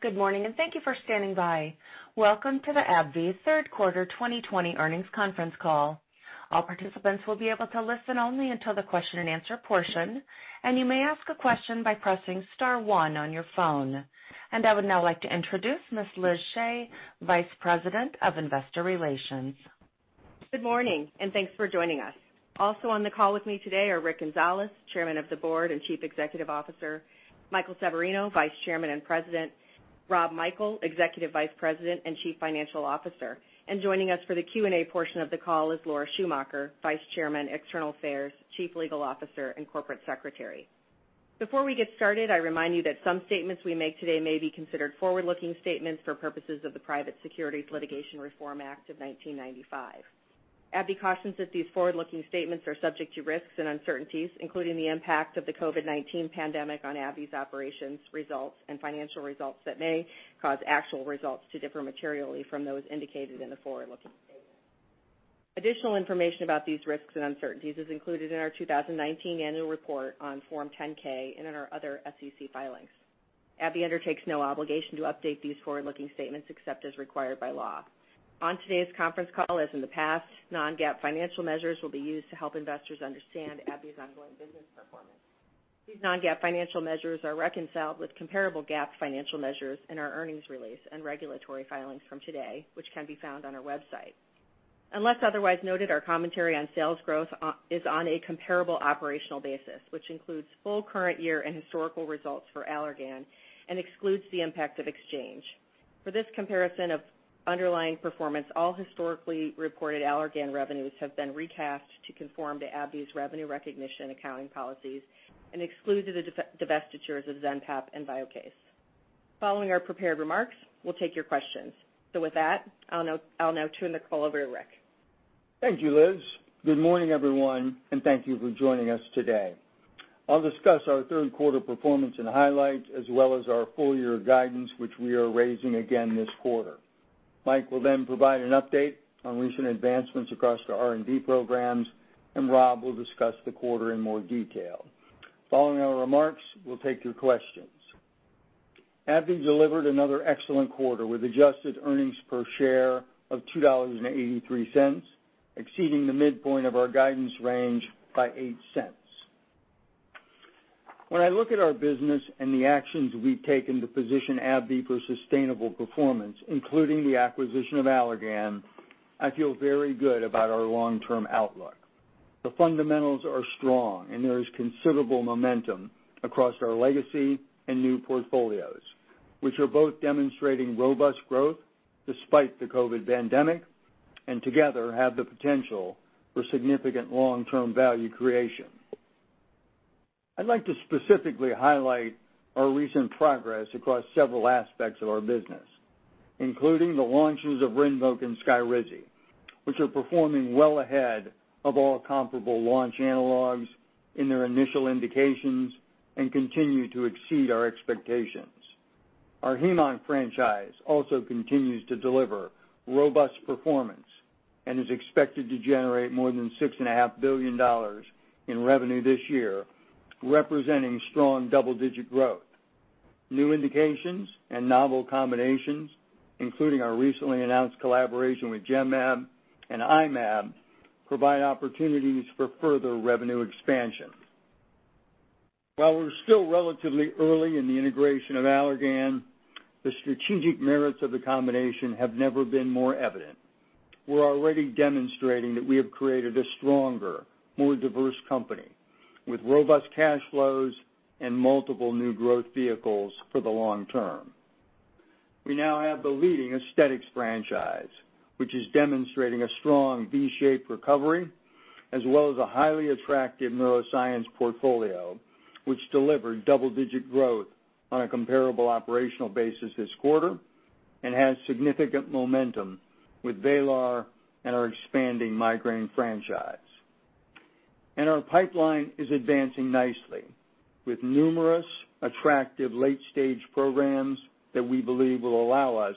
Good morning. Thank you for standing by. Welcome to the AbbVie Third Quarter 2020 Earnings Conference Call. All participants will be able to listen only until the question and answer portion, and you may ask a question by pressing star one on your phone. I would now like to introduce Ms. Liz Shea, Vice President of Investor Relations. Good morning, and thanks for joining us. Also on the call with me today are Rick Gonzalez, Chairman of the Board and Chief Executive Officer, Michael Severino, Vice Chairman and President, Rob Michael, Executive Vice President and Chief Financial Officer. Joining us for the Q&A portion of the call is Laura Schumacher, Vice Chairman, External Affairs, Chief Legal Officer, and Corporate Secretary. Before we get started, I remind you that some statements we make today may be considered forward-looking statements for purposes of the Private Securities Litigation Reform Act of 1995. AbbVie cautions that these forward-looking statements are subject to risks and uncertainties, including the impact of the COVID-19 pandemic on AbbVie's operations results and financial results that may cause actual results to differ materially from those indicated in the forward-looking statements. Additional information about these risks and uncertainties is included in our 2019 annual report on Form 10-K and in our other SEC filings. AbbVie undertakes no obligation to update these forward-looking statements except as required by law. On today's conference call, as in the past, non-GAAP financial measures will be used to help investors understand AbbVie's ongoing business performance. These non-GAAP financial measures are reconciled with comparable GAAP financial measures in our earnings release and regulatory filings from today, which can be found on our website. Unless otherwise noted, our commentary on sales growth is on a comparable operational basis, which includes full current year and historical results for Allergan and excludes the impact of exchange. For this comparison of underlying performance, all historically reported Allergan revenues have been recast to conform to AbbVie's revenue recognition accounting policies and excludes the divestitures of ZENPEP and Viokase. Following our prepared remarks, we'll take your questions. With that, I'll now turn the call over to Rick. Thank you, Liz. Good morning, everyone, and thank you for joining us today. I'll discuss our third quarter performance and highlights, as well as our full-year guidance, which we are raising again this quarter. Mike will provide an update on recent advancements across the R&D programs, and Rob will discuss the quarter in more detail. Following our remarks, we'll take your questions. AbbVie delivered another excellent quarter with adjusted earnings per share of $2.83, exceeding the midpoint of our guidance range by $0.08. When I look at our business and the actions we've taken to position AbbVie for sustainable performance, including the acquisition of Allergan, I feel very good about our long-term outlook. The fundamentals are strong. There is considerable momentum across our legacy and new portfolios, which are both demonstrating robust growth despite the COVID pandemic, and together have the potential for significant long-term value creation. I'd like to specifically highlight our recent progress across several aspects of our business, including the launches of RINVOQ and SKYRIZI, which are performing well ahead of all comparable launch analogs in their initial indications and continue to exceed our expectations. Our heme-onc franchise also continues to deliver robust performance and is expected to generate more than $6.5 billion in revenue this year, representing strong double-digit growth. New indications and novel combinations, including our recently announced collaboration with Genmab and I-Mab, provide opportunities for further revenue expansion. While we're still relatively early in the integration of Allergan, the strategic merits of the combination have never been more evident. We're already demonstrating that we have created a stronger, more diverse company with robust cash flows and multiple new growth vehicles for the long term. We now have the leading aesthetics franchise, which is demonstrating a strong V-shaped recovery, as well as a highly attractive neuroscience portfolio, which delivered double-digit growth on a comparable operational basis this quarter and has significant momentum with VRAYLAR and our expanding migraine franchise. Our pipeline is advancing nicely with numerous attractive late-stage programs that we believe will allow us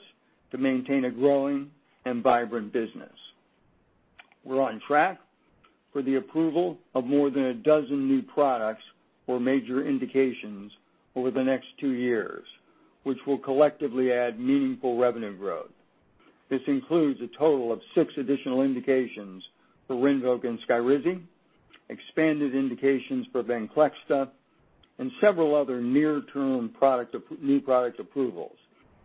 to maintain a growing and vibrant business. We're on track for the approval of more than a dozen new products or major indications over the next two years, which will collectively add meaningful revenue growth. This includes a total of six additional indications for RINVOQ and SKYRIZI, expanded indications for VENCLEXTA, and several other near-term new product approvals,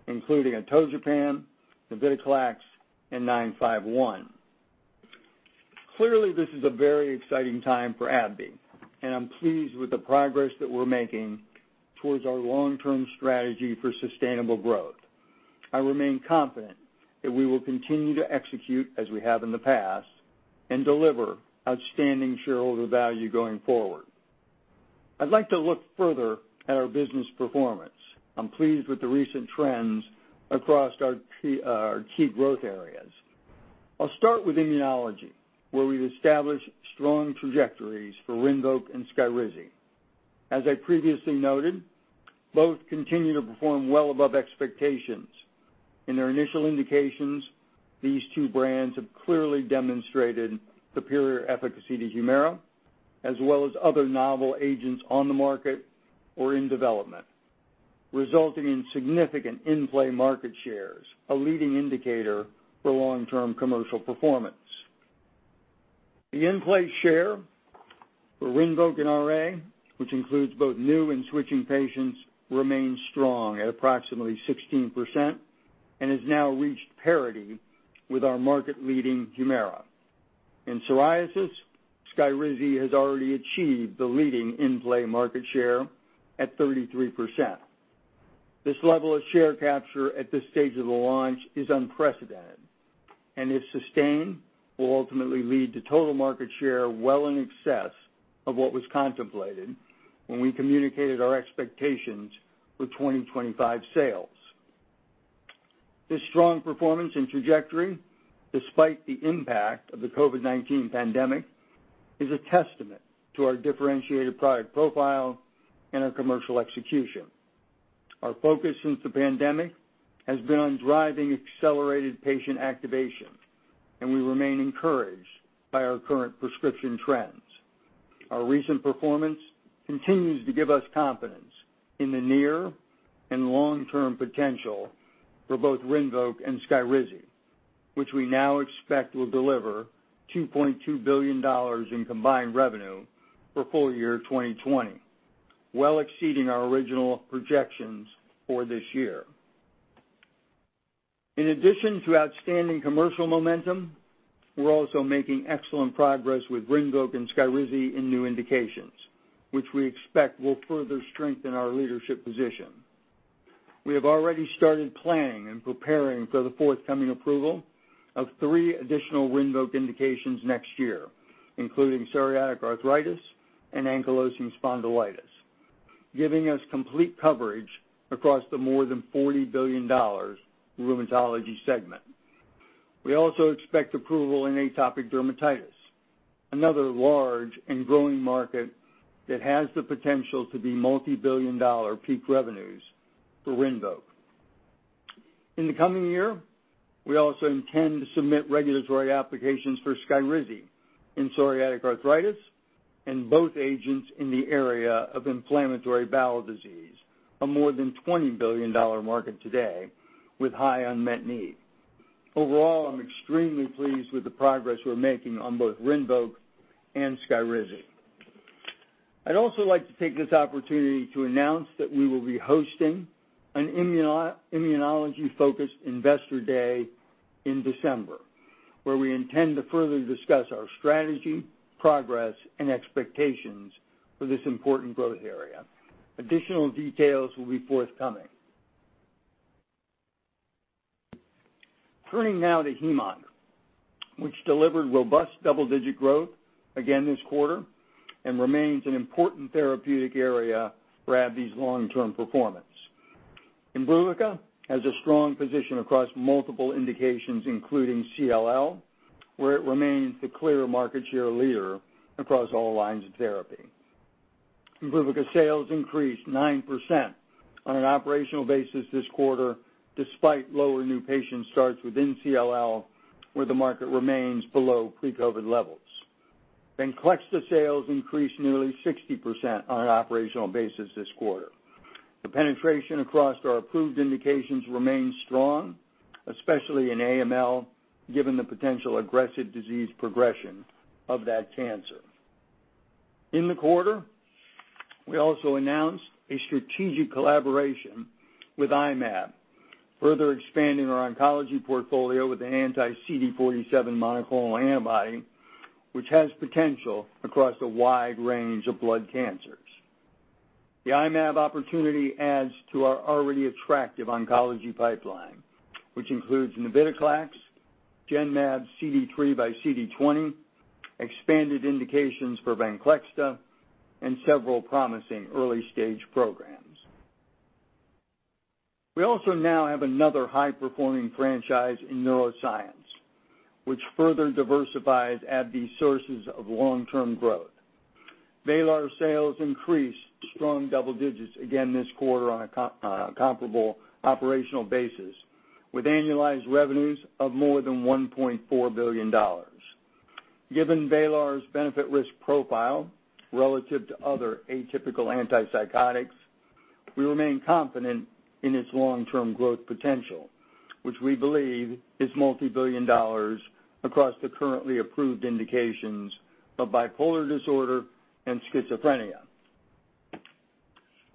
including atogepant, navitoclax, and 951. Clearly, this is a very exciting time for AbbVie. I'm pleased with the progress that we're making towards our long-term strategy for sustainable growth. I remain confident that we will continue to execute as we have in the past and deliver outstanding shareholder value going forward. I'd like to look further at our business performance. I'm pleased with the recent trends across our key growth areas. I'll start with immunology, where we've established strong trajectories for RINVOQ and SKYRIZI. As I previously noted, both continue to perform well above expectations. In their initial indications, these two brands have clearly demonstrated superior efficacy to HUMIRA, as well as other novel agents on the market or in development, resulting in significant in-play market shares, a leading indicator for long-term commercial performance. The in-play share for RINVOQ in RA, which includes both new and switching patients, remains strong at approximately 16% and has now reached parity with our market-leading HUMIRA. In psoriasis, SKYRIZI has already achieved the leading in-play market share at 33%. This level of share capture at this stage of the launch is unprecedented, and if sustained, will ultimately lead to total market share well in excess of what was contemplated when we communicated our expectations for 2025 sales. This strong performance and trajectory, despite the impact of the COVID-19 pandemic, is a testament to our differentiated product profile and our commercial execution. Our focus since the pandemic has been on driving accelerated patient activation, and we remain encouraged by our current prescription trends. Our recent performance continues to give us confidence in the near and long-term potential for both RINVOQ and SKYRIZI, which we now expect will deliver $2.2 billion in combined revenue for full year 2020, well exceeding our original projections for this year. In addition to outstanding commercial momentum, we're also making excellent progress with RINVOQ and SKYRIZI in new indications, which we expect will further strengthen our leadership position. We have already started planning and preparing for the forthcoming approval of three additional RINVOQ indications next year, including psoriatic arthritis and ankylosing spondylitis, giving us complete coverage across the more than $40 billion rheumatology segment. We also expect approval in atopic dermatitis, another large and growing market that has the potential to be multi-billion-dollar peak revenues for RINVOQ. In the coming year, we also intend to submit regulatory applications for SKYRIZI in psoriatic arthritis and both agents in the area of inflammatory bowel disease, a more than $20 billion market today with high unmet need. Overall, I'm extremely pleased with the progress we're making on both RINVOQ and SKYRIZI. I'd also like to take this opportunity to announce that we will be hosting an immunology-focused investor day in December, where we intend to further discuss our strategy, progress, and expectations for this important growth area. Additional details will be forthcoming. Turning now to hemat, which delivered robust double-digit growth again this quarter and remains an important therapeutic area for AbbVie's long-term performance. IMBRUVICA has a strong position across multiple indications, including CLL, where it remains the clear market share leader across all lines of therapy. IMBRUVICA sales increased 9% on an operational basis this quarter, despite lower new patient starts within CLL, where the market remains below pre-COVID levels. VENCLEXTA sales increased nearly 60% on an operational basis this quarter. The penetration across our approved indications remains strong, especially in AML, given the potential aggressive disease progression of that cancer. In the quarter, we also announced a strategic collaboration with I-Mab, further expanding our oncology portfolio with an anti-CD47 monoclonal antibody, which has potential across a wide range of blood cancers. The I-Mab opportunity adds to our already attractive oncology pipeline, which includes navitoclax, Genmab's CD3xCD20, expanded indications for VENCLEXTA, and several promising early-stage programs. We also now have another high-performing franchise in neuroscience, which further diversifies AbbVie's sources of long-term growth. VRAYLAR sales increased strong double digits again this quarter on a comparable operational basis, with annualized revenues of more than $1.4 billion. Given VRAYLAR's benefit risk profile relative to other atypical antipsychotics, we remain confident in its long-term growth potential, which we believe is multi-billion dollars across the currently approved indications of bipolar disorder and schizophrenia.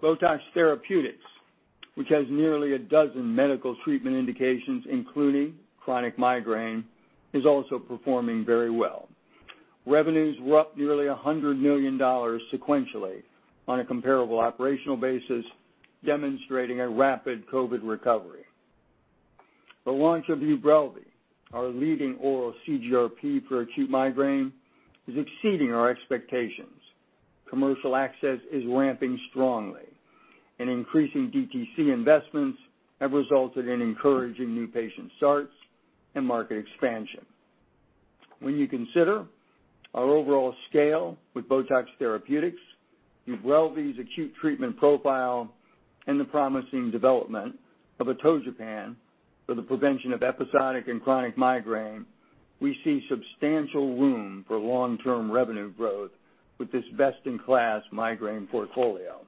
BOTOX Therapeutics, which has nearly a dozen medical treatment indications, including chronic migraine, is also performing very well. Revenues were up nearly $100 million sequentially on a comparable operational basis, demonstrating a rapid COVID recovery. The launch of UBRELVY, our leading oral CGRP for acute migraine, is exceeding our expectations. Commercial access is ramping strongly, increasing DTC investments have resulted in encouraging new patient starts and market expansion. When you consider our overall scale with BOTOX therapeutics, UBRELVY's acute treatment profile, and the promising development of atogepant for the prevention of episodic and chronic migraine, we see substantial room for long-term revenue growth with this best-in-class migraine portfolio.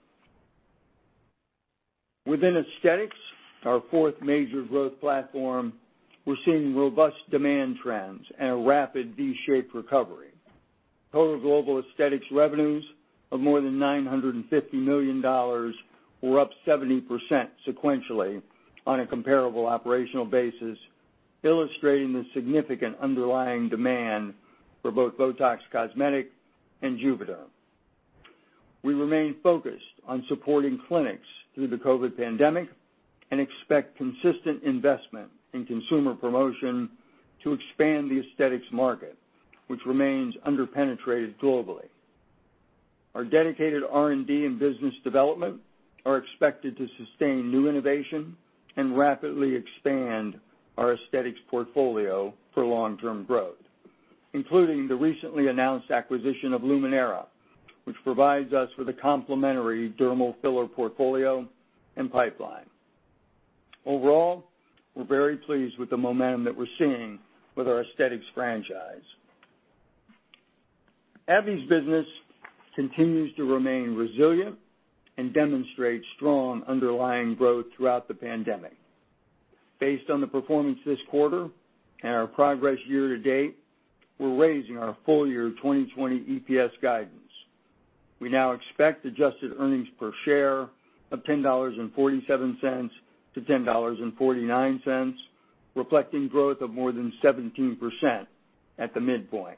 Within Aesthetics, our fourth major growth platform, we're seeing robust demand trends and a rapid V-shaped recovery. Total global Aesthetics revenues of more than $950 million were up 70% sequentially on a comparable operational basis, illustrating the significant underlying demand for both BOTOX Cosmetic and JUVÉDERM. We remain focused on supporting clinics through the COVID pandemic and expect consistent investment in consumer promotion to expand the aesthetics market, which remains under-penetrated globally. Our dedicated R&D and business development are expected to sustain new innovation and rapidly expand our aesthetics portfolio for long-term growth, including the recently announced acquisition of Luminera, which provides us with a complementary dermal filler portfolio and pipeline. Overall, we're very pleased with the momentum that we're seeing with our aesthetics franchise. AbbVie's business continues to remain resilient and demonstrates strong underlying growth throughout the pandemic. Based on the performance this quarter and our progress year to date, we're raising our full year 2020 EPS guidance. We now expect adjusted earnings per share of $10.47-$10.49, reflecting growth of more than 17% at the midpoint.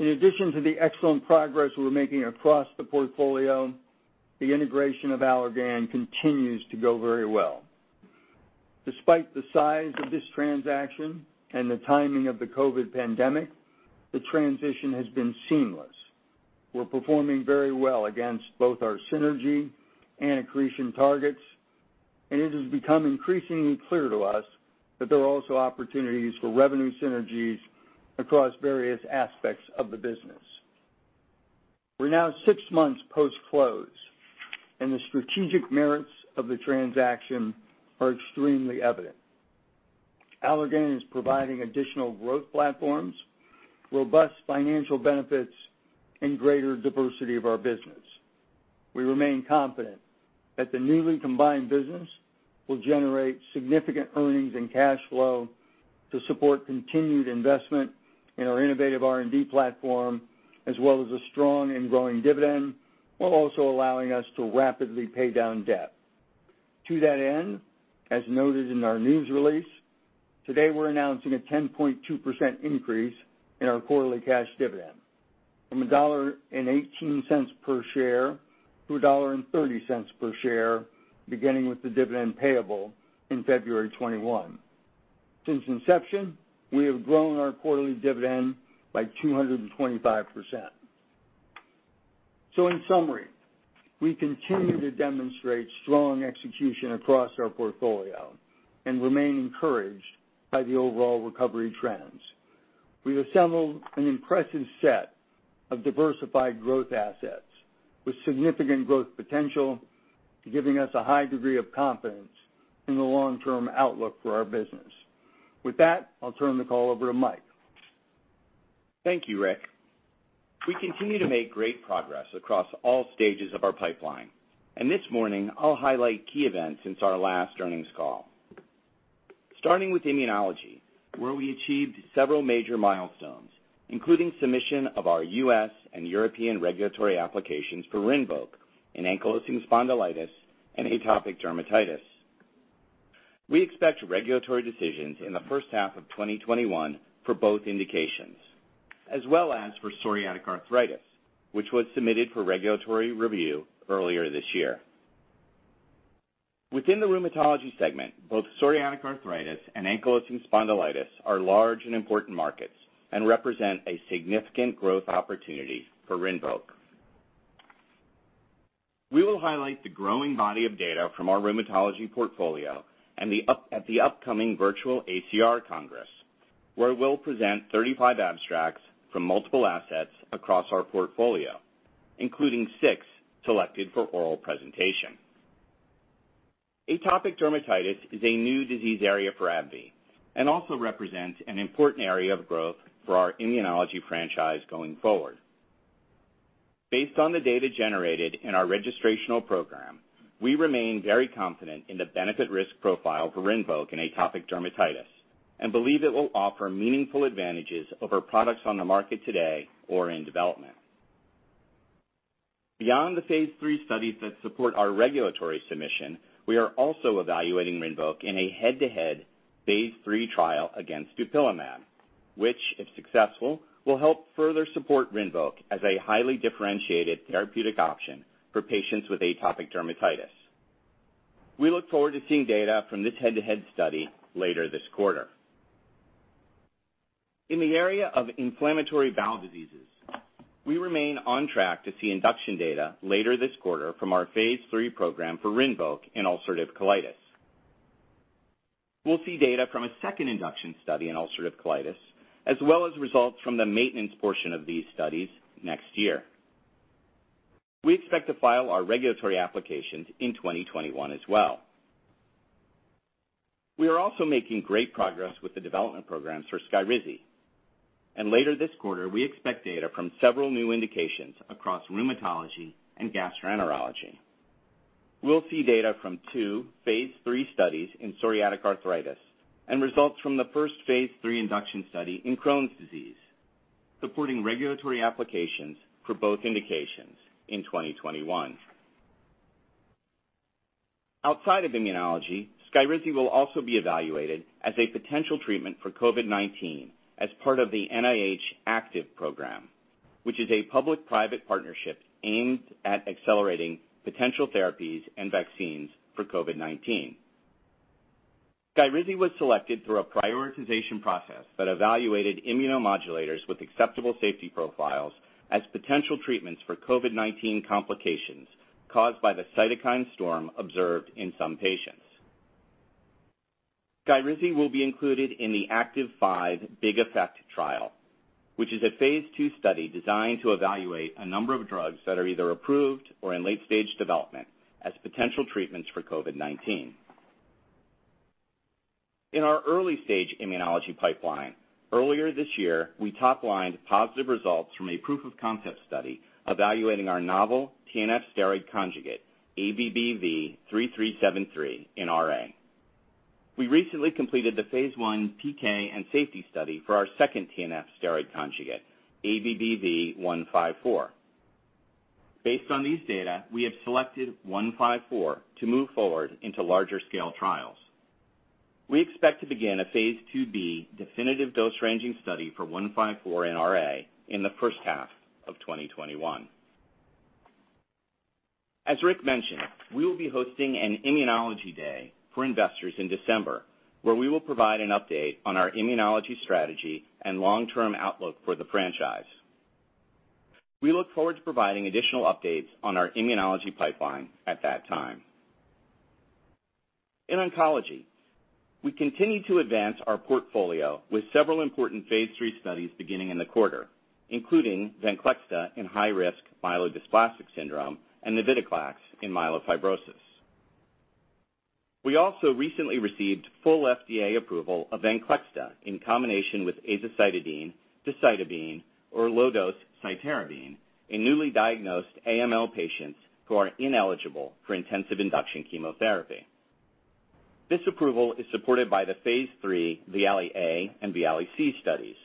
In addition to the excellent progress we're making across the portfolio, the integration of Allergan continues to go very well. Despite the size of this transaction and the timing of the COVID pandemic, the transition has been seamless. We're performing very well against both our synergy and accretion targets, and it has become increasingly clear to us that there are also opportunities for revenue synergies across various aspects of the business. We're now six months post-close, and the strategic merits of the transaction are extremely evident. Allergan is providing additional growth platforms, robust financial benefits, and greater diversity of our business. We remain confident that the newly combined business will generate significant earnings and cash flow to support continued investment in our innovative R&D platform, as well as a strong and growing dividend, while also allowing us to rapidly pay down debt. To that end, as noted in our news release, today we're announcing a 10.2% increase in our quarterly cash dividend from $1.18 per share to $1.30 per share, beginning with the dividend payable in February 2021. Since inception, we have grown our quarterly dividend by 225%. In summary, we continue to demonstrate strong execution across our portfolio and remain encouraged by the overall recovery trends. We've assembled an impressive set of diversified growth assets with significant growth potential, giving us a high degree of confidence in the long-term outlook for our business. With that, I'll turn the call over to Mike. Thank you, Rick. We continue to make great progress across all stages of our pipeline, and this morning I'll highlight key events since our last earnings call. Starting with immunology, where we achieved several major milestones, including submission of our U.S. and European regulatory applications for RINVOQ in ankylosing spondylitis and atopic dermatitis. We expect regulatory decisions in the first half of 2021 for both indications, as well as for psoriatic arthritis, which was submitted for regulatory review earlier this year. Within the rheumatology segment, both psoriatic arthritis and ankylosing spondylitis are large and important markets and represent a significant growth opportunity for RINVOQ. We will highlight the growing body of data from our rheumatology portfolio at the upcoming virtual ACR Congress, where we'll present 35 abstracts from multiple assets across our portfolio, including six selected for oral presentation. Atopic dermatitis is a new disease area for AbbVie and also represents an important area of growth for our immunology franchise going forward. Based on the data generated in our registrational program, we remain very confident in the benefit/risk profile for RINVOQ in atopic dermatitis and believe it will offer meaningful advantages over products on the market today or in development. Beyond the phase III studies that support our regulatory submission, we are also evaluating RINVOQ in a head-to-head phase III trial against dupilumab, which, if successful, will help further support RINVOQ as a highly differentiated therapeutic option for patients with atopic dermatitis. We look forward to seeing data from this head-to-head study later this quarter. In the area of inflammatory bowel diseases. We remain on track to see induction data later this quarter from our phase III program for RINVOQ in ulcerative colitis. We'll see data from a second induction study in ulcerative colitis as well as results from the maintenance portion of these studies next year. We expect to file our regulatory applications in 2021 as well. Later this quarter, we expect data from several new indications across rheumatology and gastroenterology. We'll see data from two phase III studies in psoriatic arthritis and results from the first phase III induction study in Crohn's disease, supporting regulatory applications for both indications in 2021. Outside of immunology, SKYRIZI will also be evaluated as a potential treatment for COVID-19 as part of the NIH ACTIV program, which is a public-private partnership aimed at accelerating potential therapies and vaccines for COVID-19. SKYRIZI was selected through a prioritization process that evaluated immunomodulators with acceptable safety profiles as potential treatments for COVID-19 complications caused by the cytokine storm observed in some patients. SKYRIZI will be included in the ACTIV-5 Big Effect trial, which is a phase II study designed to evaluate a number of drugs that are either approved or in late-stage development as potential treatments for COVID-19. In our early-stage immunology pipeline, earlier this year, we top-lined positive results from a proof of concept study evaluating our novel TNF steroid conjugate, ABBV-3373 in RA. We recently completed the phase I PK and safety study for our second TNF steroid conjugate, ABBV-154. Based on these data, we have selected 154 to move forward into larger scale trials. We expect to begin a phase II-B definitive dose ranging study for 154 in RA in the first half of 2021. As Rick mentioned, we will be hosting an immunology day for investors in December, where we will provide an update on our immunology strategy and long-term outlook for the franchise. We look forward to providing additional updates on our immunology pipeline at that time. In oncology, we continue to advance our portfolio with several important phase III studies beginning in the quarter, including VENCLEXTA in high-risk myelodysplastic syndrome and navitoclax in myelofibrosis. We also recently received full FDA approval of VENCLEXTA in combination with azacitidine, decitabine, or low-dose cytarabine in newly diagnosed AML patients who are ineligible for intensive induction chemotherapy. This approval is supported by the phase III VIALE-A and VIALE-C studies.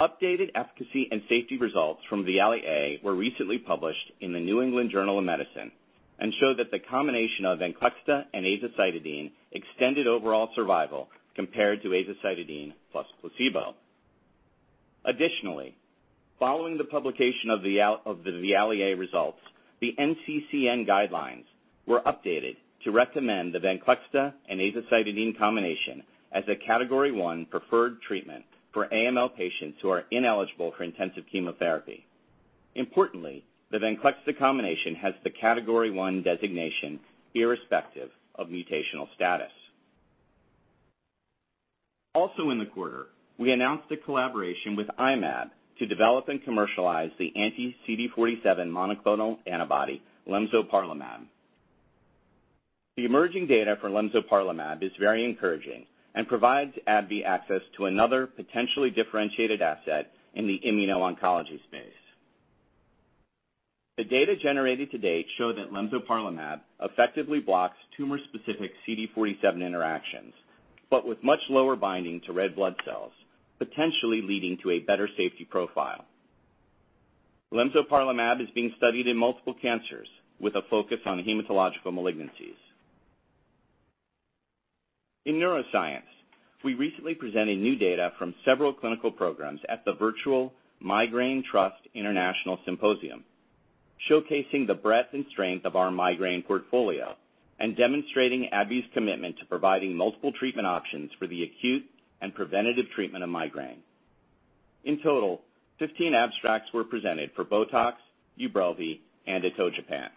Updated efficacy and safety results from VIALE-A were recently published in the New England Journal of Medicine and show that the combination of VENCLEXTA and azacitidine extended overall survival compared to azacitidine plus placebo. Additionally, following the publication of the VIALE-A results, the NCCN guidelines were updated to recommend the VENCLEXTA and azacitidine combination as a Category 1 preferred treatment for AML patients who are ineligible for intensive chemotherapy. Importantly, the VENCLEXTA combination has the Category 1 designation irrespective of mutational status. Also in the quarter, we announced a collaboration with I-Mab to develop and commercialize the anti-CD47 monoclonal antibody, lemzoparlimab. The emerging data for lemzoparlimab is very encouraging and provides AbbVie access to another potentially differentiated asset in the immuno-oncology space. The data generated to date show that lemzoparlimab effectively blocks tumor-specific CD47 interactions, but with much lower binding to red blood cells, potentially leading to a better safety profile. Lemzoparlimab is being studied in multiple cancers with a focus on hematological malignancies. In neuroscience, we recently presented new data from several clinical programs at the virtual Migraine Trust International Symposium, showcasing the breadth and strength of our migraine portfolio and demonstrating AbbVie's commitment to providing multiple treatment options for the acute and preventative treatment of migraine. In total, 15 abstracts were presented for BOTOX, UBRELVY, and atogepant.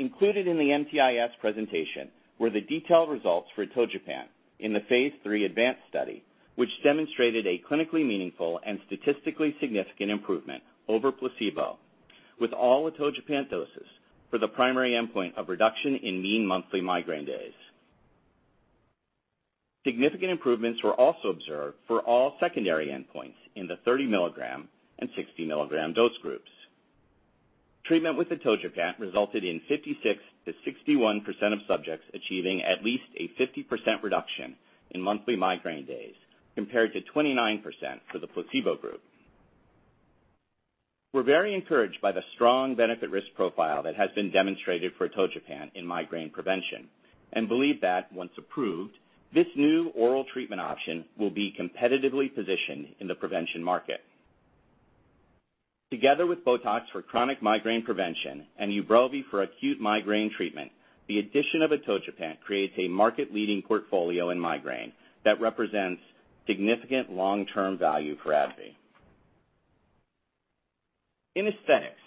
Included in the MTIS presentation were the detailed results for atogepant in the phase III ADVANCE study, which demonstrated a clinically meaningful and statistically significant improvement over placebo with all atogepant doses for the primary endpoint of reduction in mean monthly migraine days. Significant improvements were also observed for all secondary endpoints in the 30 milligram and 60 milligram dose groups. Treatment with atogepant resulted in 56%-61% of subjects achieving at least a 50% reduction in monthly migraine days, compared to 29% for the placebo group. We're very encouraged by the strong benefit-risk profile that has been demonstrated for atogepant in migraine prevention and believe that once approved, this new oral treatment option will be competitively positioned in the prevention market. Together with BOTOX for chronic migraine prevention and UBRELVY for acute migraine treatment, the addition of atogepant creates a market-leading portfolio in migraine that represents significant long-term value for AbbVie. In aesthetics,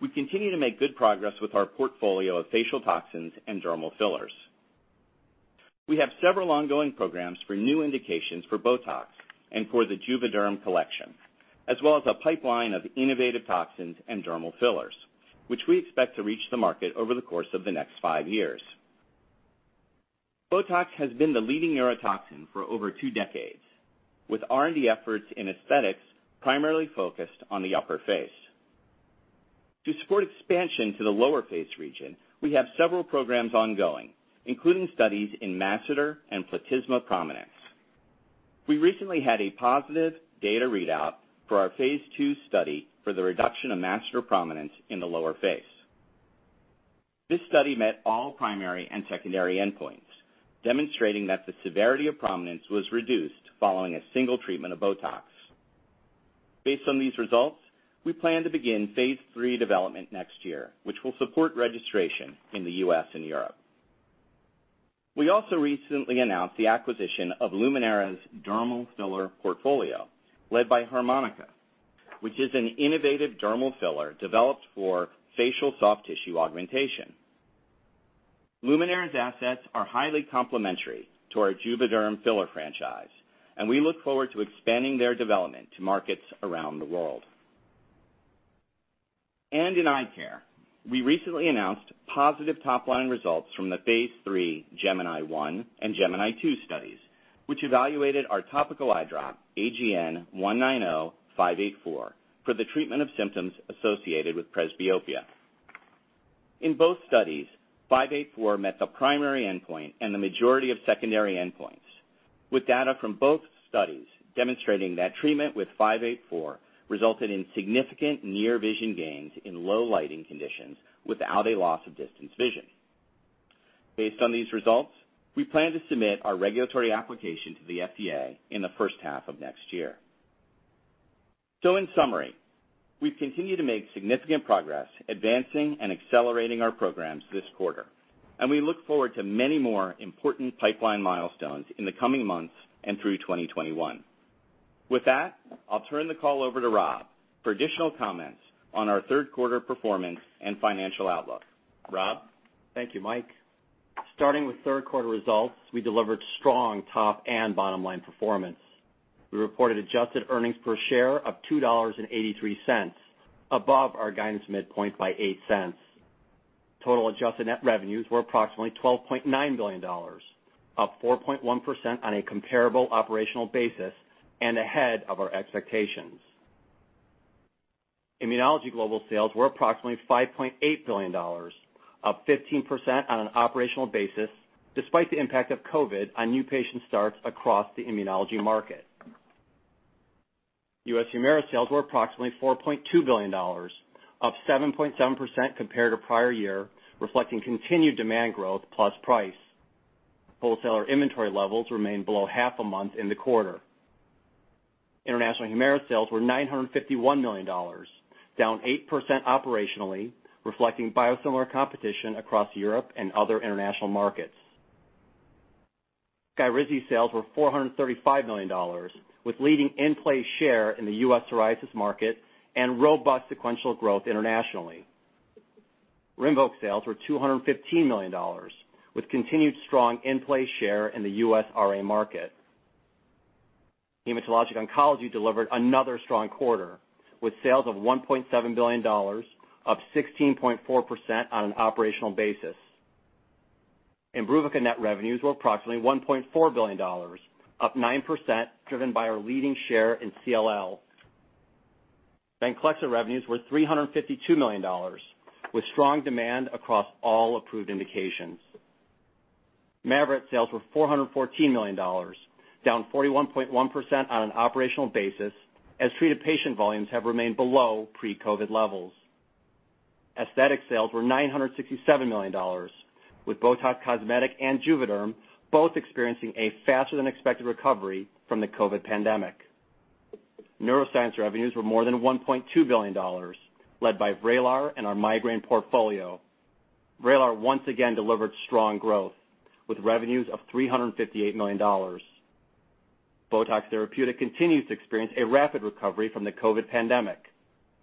we continue to make good progress with our portfolio of facial toxins and dermal fillers. We have several ongoing programs for new indications for BOTOX and for the JUVÉDERM collection, as well as a pipeline of innovative toxins and dermal fillers, which we expect to reach the market over the course of the next five years. BOTOX has been the leading neurotoxin for over two decades, with R&D efforts in aesthetics primarily focused on the upper face. To support expansion to the lower face region, we have several programs ongoing, including studies in masseter and platysma prominence. We recently had a positive data readout for our phase II study for the reduction of masseter prominence in the lower face. This study met all primary and secondary endpoints, demonstrating that the severity of prominence was reduced following a single treatment of BOTOX. Based on these results, we plan to begin phase III development next year, which will support registration in the U.S. and Europe. We also recently announced the acquisition of Luminera's dermal filler portfolio, led by HArmonyCa, which is an innovative dermal filler developed for facial soft tissue augmentation. Luminera's assets are highly complementary to our JUVÉDERM filler franchise, and we look forward to expanding their development to markets around the world. In eye care, we recently announced positive top-line results from the phase III GEMINI 1 and GEMINI 2 studies, which evaluated our topical eye drop, AGN-190584, for the treatment of symptoms associated with presbyopia. In both studies, 584 met the primary endpoint and the majority of secondary endpoints, with data from both studies demonstrating that treatment with 584 resulted in significant near vision gains in low lighting conditions without a loss of distance vision. Based on these results, we plan to submit our regulatory application to the FDA in the first half of next year. In summary, we've continued to make significant progress advancing and accelerating our programs this quarter, and we look forward to many more important pipeline milestones in the coming months and through 2021. With that, I'll turn the call over to Rob for additional comments on our third quarter performance and financial outlook. Rob? Thank you, Mike. Starting with third quarter results, we delivered strong top and bottom-line performance. We reported adjusted earnings per share of $2.83, above our guidance midpoint by $0.08. Total adjusted net revenues were approximately $12.9 billion, up 4.1% on a comparable operational basis and ahead of our expectations. Immunology global sales were approximately $5.8 billion, up 15% on an operational basis, despite the impact of COVID on new patient starts across the immunology market. U.S. HUMIRA sales were approximately $4.2 billion, up 7.7% compared to prior year, reflecting continued demand growth plus price. Wholesaler inventory levels remained below half a month in the quarter. International HUMIRA sales were $951 million, down 8% operationally, reflecting biosimilar competition across Europe and other international markets. SKYRIZI sales were $435 million, with leading in-play share in the U.S. psoriasis market and robust sequential growth internationally. RINVOQ sales were $215 million, with continued strong in-play share in the U.S. RA market. Hematologic oncology delivered another strong quarter, with sales of $1.7 billion, up 16.4% on an operational basis. IMBRUVICA net revenues were approximately $1.4 billion, up 9%, driven by our leading share in CLL. VENCLEXTA revenues were $352 million, with strong demand across all approved indications. MAVYRET sales were $414 million, down 41.1% on an operational basis as treated patient volumes have remained below pre-COVID levels. Aesthetic sales were $967 million, with BOTOX Cosmetic and JUVÉDERM both experiencing a faster-than-expected recovery from the COVID pandemic. Neuroscience revenues were more than $1.2 billion, led by VRAYLAR and our migraine portfolio. VRAYLAR once again delivered strong growth, with revenues of $358 million. BOTOX therapeutic continues to experience a rapid recovery from the COVID pandemic,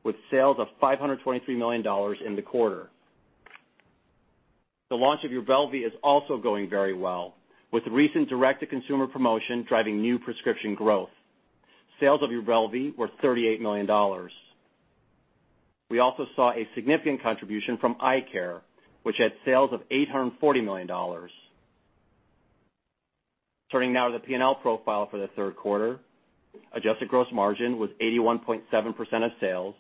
with sales of $523 million in the quarter. The launch of UBRELVY is also going very well, with recent direct-to-consumer promotion driving new prescription growth. Sales of UBRELVY were $38 million. We also saw a significant contribution from eye care, which had sales of $840 million. Turning now to the P&L profile for the third quarter. Adjusted gross margin was 81.7% of sales.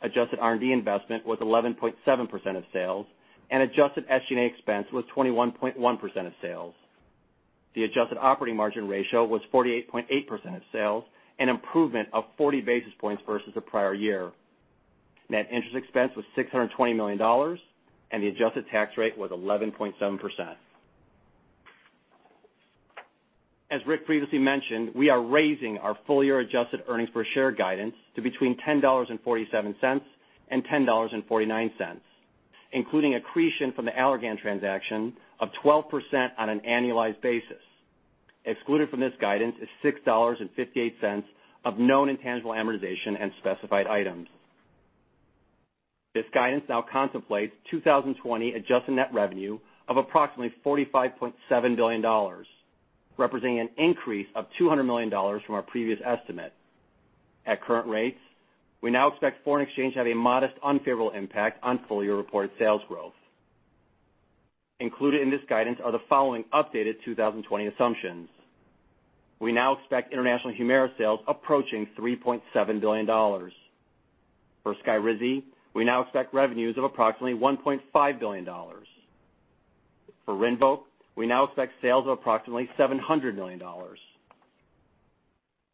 Adjusted R&D investment was 11.7% of sales, and adjusted SG&A expense was 21.1% of sales. The adjusted operating margin ratio was 48.8% of sales, an improvement of 40 basis points versus the prior year. Net interest expense was $620 million, and the adjusted tax rate was 11.7%. As Rick previously mentioned, we are raising our full-year adjusted earnings per share guidance to between $10.47 and $10.49, including accretion from the Allergan transaction of 12% on an annualized basis. Excluded from this guidance is $6.58 of known intangible amortization and specified items. This guidance now contemplates 2020 adjusted net revenue of approximately $45.7 billion, representing an increase of $200 million from our previous estimate. At current rates, we now expect foreign exchange to have a modest unfavorable impact on full-year reported sales growth. Included in this guidance are the following updated 2020 assumptions. We now expect international HUMIRA sales approaching $3.7 billion. For SKYRIZI, we now expect revenues of approximately $1.5 billion. For RINVOQ, we now expect sales of approximately $700 million.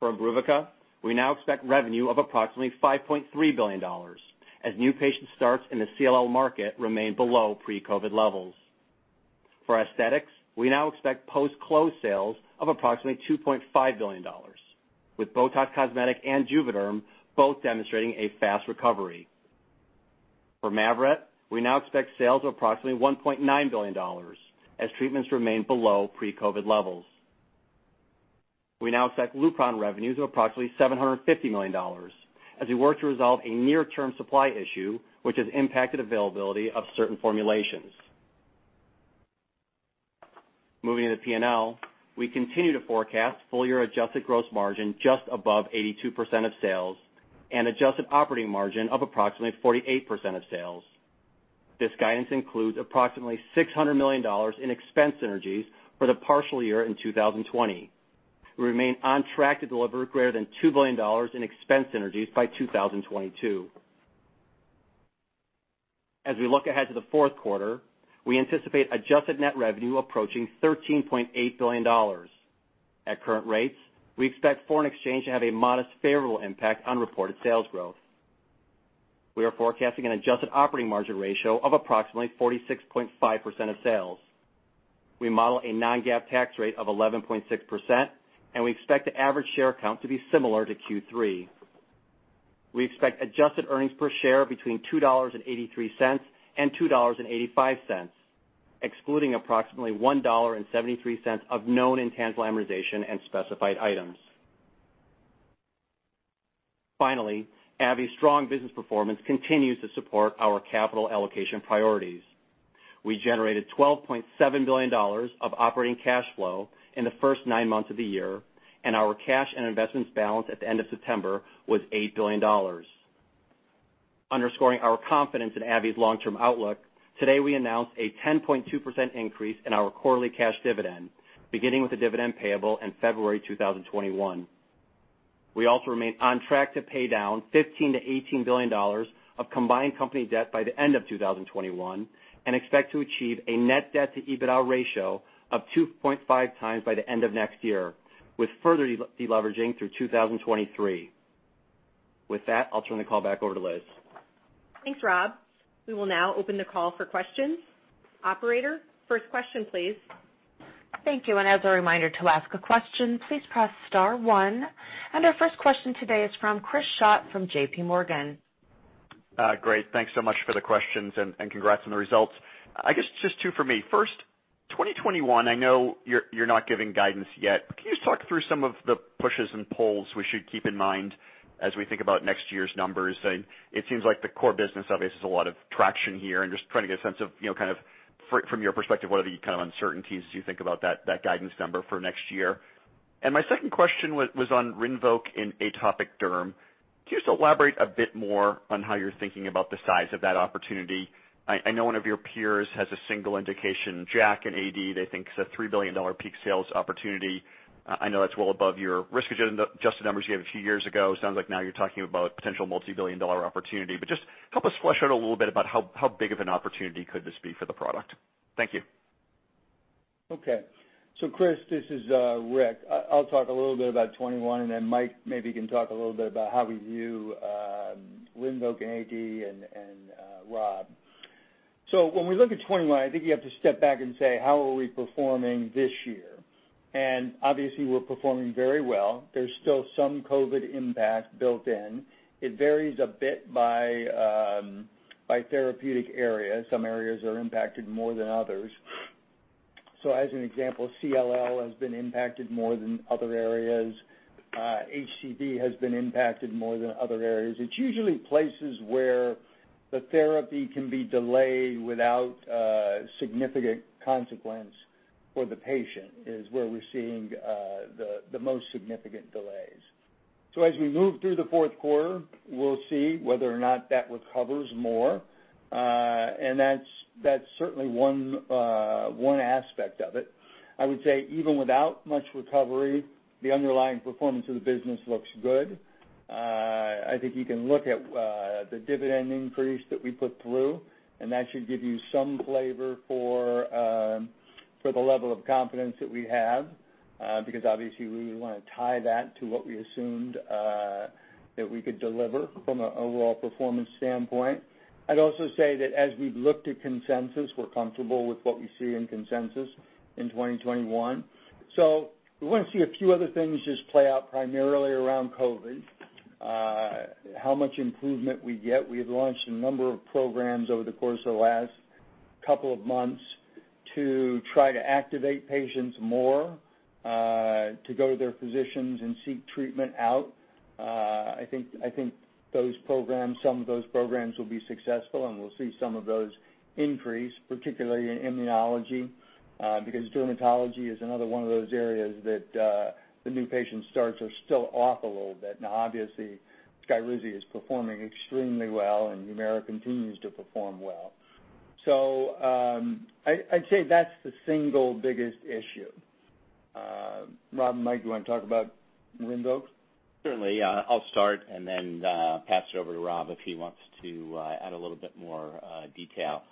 For IMBRUVICA, we now expect revenue of approximately $5.3 billion, as new patient starts in the CLL market remain below pre-COVID levels. For Aesthetics, we now expect post-close sales of approximately $2.5 billion, with BOTOX Cosmetic and JUVÉDERM both demonstrating a fast recovery. For MAVYRET, we now expect sales of approximately $1.9 billion as treatments remain below pre-COVID levels. We now expect LUPRON revenues of approximately $750 million as we work to resolve a near-term supply issue, which has impacted availability of certain formulations. Moving to the P&L, we continue to forecast full-year adjusted gross margin just above 82% of sales and adjusted operating margin of approximately 48% of sales. This guidance includes approximately $600 million in expense synergies for the partial year in 2020. We remain on track to deliver greater than $2 billion in expense synergies by 2022. As we look ahead to the fourth quarter, we anticipate adjusted net revenue approaching $13.8 billion. At current rates, we expect foreign exchange to have a modest favorable impact on reported sales growth. We are forecasting an adjusted operating margin ratio of approximately 46.5% of sales. We model a non-GAAP tax rate of 11.6%, and we expect the average share count to be similar to Q3. We expect adjusted earnings per share between $2.83 and $2.85, excluding approximately $1.73 of known intangible amortization and specified items. AbbVie's strong business performance continues to support our capital allocation priorities. We generated $12.7 billion of operating cash flow in the first nine months of the year, and our cash and investments balance at the end of September was $8 billion. Underscoring our confidence in AbbVie's long-term outlook, today we announced a 10.2% increase in our quarterly cash dividend, beginning with the dividend payable in February 2021. We also remain on track to pay down $15 billion-$18 billion of combined company debt by the end of 2021, and expect to achieve a net debt to EBITDA ratio of 2.5x by the end of next year, with further deleveraging through 2023. With that, I'll turn the call back over to Liz. Thanks, Rob. We will now open the call for questions. Operator, first question please. Thank you. As a reminder, to ask a question, please press star one. Our first question today is from Chris Schott from JPMorgan. Great. Thanks so much for the questions. Congrats on the results. I guess just two for me. First, 2021, I know you're not giving guidance yet, but can you just talk through some of the pushes and pulls we should keep in mind as we think about next year's numbers? It seems like the core business obviously has a lot of traction here, and just trying to get a sense of from your perspective, what are the kind of uncertainties as you think about that guidance number for next year? My second question was on RINVOQ in atopic derm. Can you just elaborate a bit more on how you're thinking about the size of that opportunity? I know one of your peers has a single indication, JAK in AD, they think is a $3 billion peak sales opportunity. I know that's well above your risk-adjusted numbers you gave a few years ago. Sounds like now you're talking about potential multibillion-dollar opportunity, but just help us flesh out a little bit about how big of an opportunity could this be for the product. Thank you. Okay. Chris, this is Rick. I'll talk a little bit about 2021, and then Mike maybe can talk a little bit about how we view RINVOQ and AD, and Rob. When we look at 2021, I think you have to step back and say: How are we performing this year? Obviously, we're performing very well. There's still some COVID impact built in. It varies a bit by therapeutic area. Some areas are impacted more than others. As an example, CLL has been impacted more than other areas. HCV has been impacted more than other areas. It's usually places where the therapy can be delayed without significant consequence for the patient is where we're seeing the most significant delays. As we move through the fourth quarter, we'll see whether or not that recovers more. That's certainly one aspect of it. I would say even without much recovery, the underlying performance of the business looks good. I think you can look at the dividend increase that we put through, and that should give you some flavor for the level of confidence that we have, because obviously we want to tie that to what we assumed that we could deliver from an overall performance standpoint. I'd also say that as we've looked at consensus, we're comfortable with what we see in consensus in 2021. We want to see a few other things just play out primarily around COVID. How much improvement we get. We've launched a number of programs over the course of the last couple of months to try to activate patients more to go to their physicians and seek treatment out. I think some of those programs will be successful, and we'll see some of those increase, particularly in immunology, because dermatology is another one of those areas that the new patient starts are still off a little bit. Obviously, SKYRIZI is performing extremely well, and HUMIRA continues to perform well. I'd say that's the single biggest issue. Rob, Michael, do you want to talk about RINVOQ? Certainly. I'll start and then pass it over to Rob if he wants to add a little bit more detail.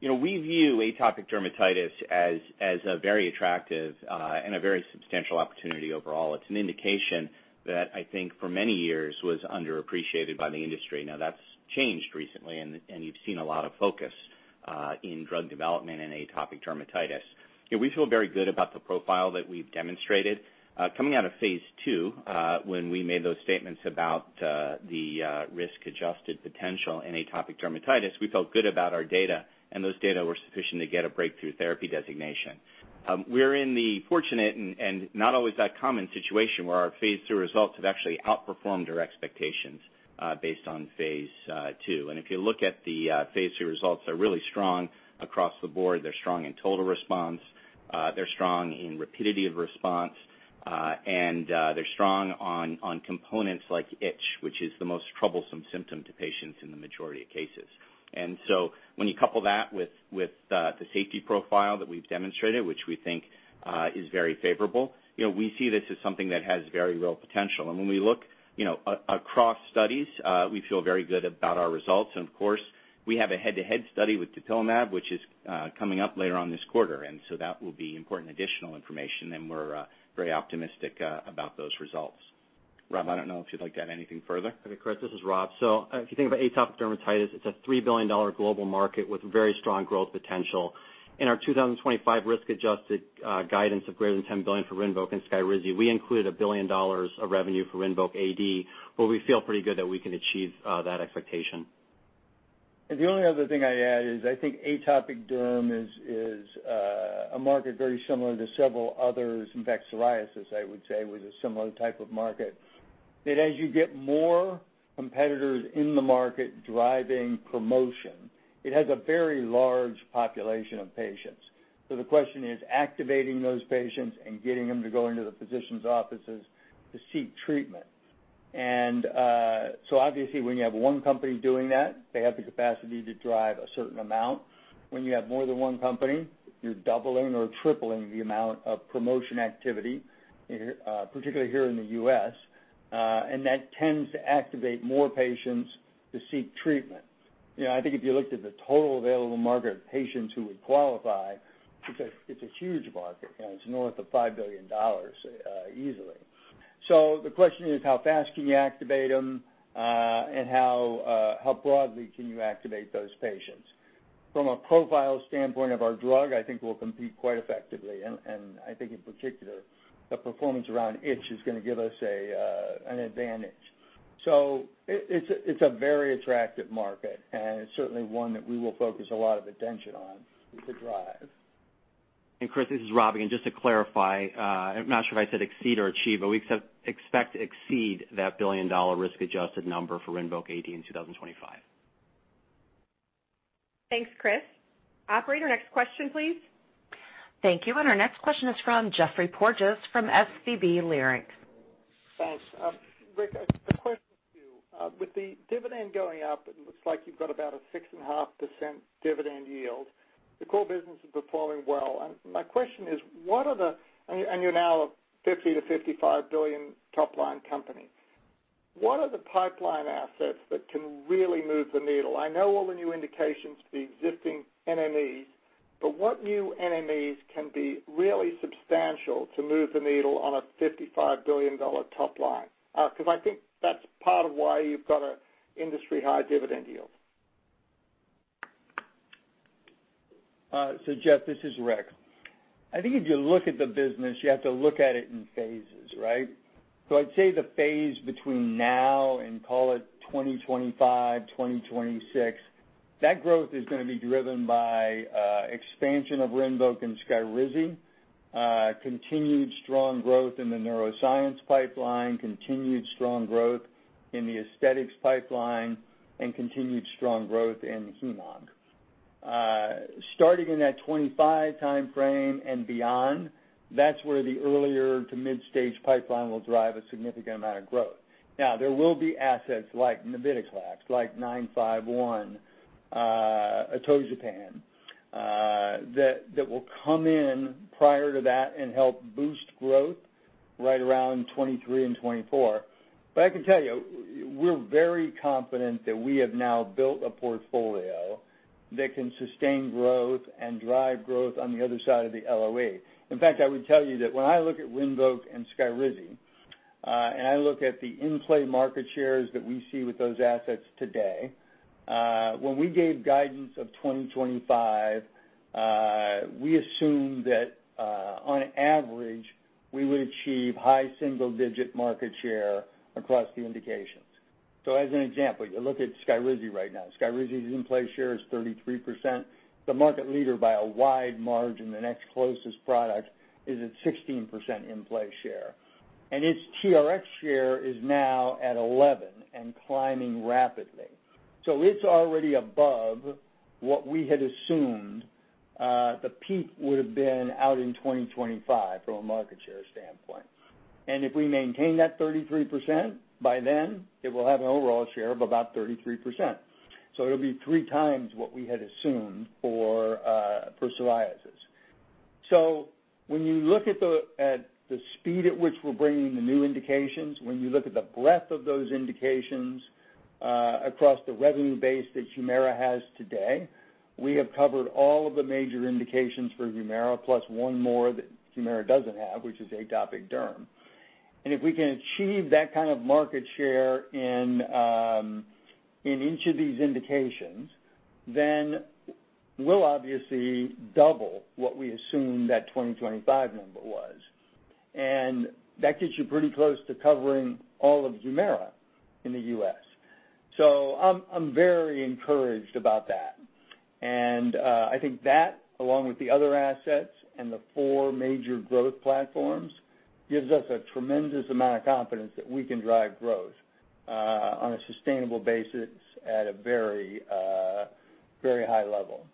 We view atopic dermatitis as a very attractive and a very substantial opportunity overall. It's an indication that I think for many years was underappreciated by the industry. That's changed recently, and you've seen a lot of focus in drug development in atopic dermatitis. We feel very good about the profile that we've demonstrated. Coming out of phase II, when we made those statements about the risk-adjusted potential in atopic dermatitis, we felt good about our data, and those data were sufficient to get a breakthrough therapy designation. We're in the fortunate and not always that common situation where our phase II results have actually outperformed our expectations based on phase II. If you look at the phase II results are really strong across the board. They're strong in total response, they're strong in rapidity of response, and they're strong on components like itch, which is the most troublesome symptom to patients in the majority of cases. When you couple that with the safety profile that we've demonstrated, which we think is very favorable, we see this as something that has very real potential. When we look across studies, we feel very good about our results. Of course, we have a head-to-head study with dupilumab, which is coming up later on this quarter, and so that will be important additional information, and we're very optimistic about those results. Rob, I don't know if you'd like to add anything further. Okay, Chris, this is Rob. If you think about atopic dermatitis, it's a $3 billion global market with very strong growth potential. In our 2025 risk-adjusted guidance of greater than $10 billion for RINVOQ and SKYRIZI, we included $1 billion of revenue for RINVOQ AD, but we feel pretty good that we can achieve that expectation. The only other thing I'd add is I think atopic derm is a market very similar to several others. In fact, psoriasis, I would say, was a similar type of market. As you get more competitors in the market driving promotion, it has a very large population of patients. The question is activating those patients and getting them to go into the physician's offices to seek treatment. Obviously, when you have one company doing that, they have the capacity to drive a certain amount. When you have more than one company, you're doubling or tripling the amount of promotion activity, particularly here in the U.S. That tends to activate more patients to seek treatment. I think if you looked at the total available market of patients who would qualify, it's a huge market. It's north of $5 billion easily. The question is how fast can you activate them, and how broadly can you activate those patients? From a profile standpoint of our drug, I think we'll compete quite effectively, and I think in particular, the performance around itch is going to give us an advantage. It's a very attractive market, and it's certainly one that we will focus a lot of attention on to drive. Chris, this is Rob. Just to clarify, I'm not sure if I said exceed or achieve, but we expect to exceed that billion-dollar risk-adjusted number for RINVOQ AD in 2025. Thanks, Chris. Operator, next question, please. Thank you. Our next question is from Geoffrey Porges from SVB Leerink. Thanks. Rick, a question for you. With the dividend going up, it looks like you've got about a 6.5% dividend yield. The core business is performing well. My question is, and you're now a $50 billion-$55 billion top-line company. What are the pipeline assets that can really move the needle? I know all the new indications for the existing NMEs, but what new NMEs can be really substantial to move the needle on a $55 billion top line? Because I think that's part of why you've got an industry-high dividend yield. Geoffrey, this is Rick. I think if you look at the business, you have to look at it in phases, right? I'd say the phase between now and call it 2025, 2026, that growth is going to be driven by expansion of RINVOQ and SKYRIZI, continued strong growth in the neuroscience pipeline, continued strong growth in the aesthetics pipeline, and continued strong growth in heme-onc. Starting in that 2025 timeframe and beyond, that's where the earlier to mid-stage pipeline will drive a significant amount of growth. There will be assets like navitoclax, like 951, atogepant, that will come in prior to that and help boost growth right around 2023 and 2024. I can tell you, we're very confident that we have now built a portfolio that can sustain growth and drive growth on the other side of the LOE. In fact, I would tell you that when I look at RINVOQ and SKYRIZI, and I look at the in-play market shares that we see with those assets today, when we gave guidance of 2025, we assume that, on average, we would achieve high single-digit market share across the indications. As an example, you look at SKYRIZI right now. SKYRIZI's in-play share is 33%, the market leader by a wide margin. The next closest product is at 16% in-play share, and its TRx share is now at 11% and climbing rapidly. It's already above what we had assumed the peak would've been out in 2025 from a market share standpoint. If we maintain that 33% by then, it will have an overall share of about 33%. It'll be three times what we had assumed for psoriasis. When you look at the speed at which we're bringing the new indications, when you look at the breadth of those indications, across the revenue base that HUMIRA has today, we have covered all of the major indications for HUMIRA, plus one more that HUMIRA doesn't have, which is atopic derm. If we can achieve that kind of market share in each of these indications, we'll obviously double what we assumed that 2025 number was. That gets you pretty close to covering all of HUMIRA in the U.S. I'm very encouraged about that, and I think that, along with the other assets and the four major growth platforms, gives us a tremendous amount of confidence that we can drive growth on a sustainable basis at a very high level.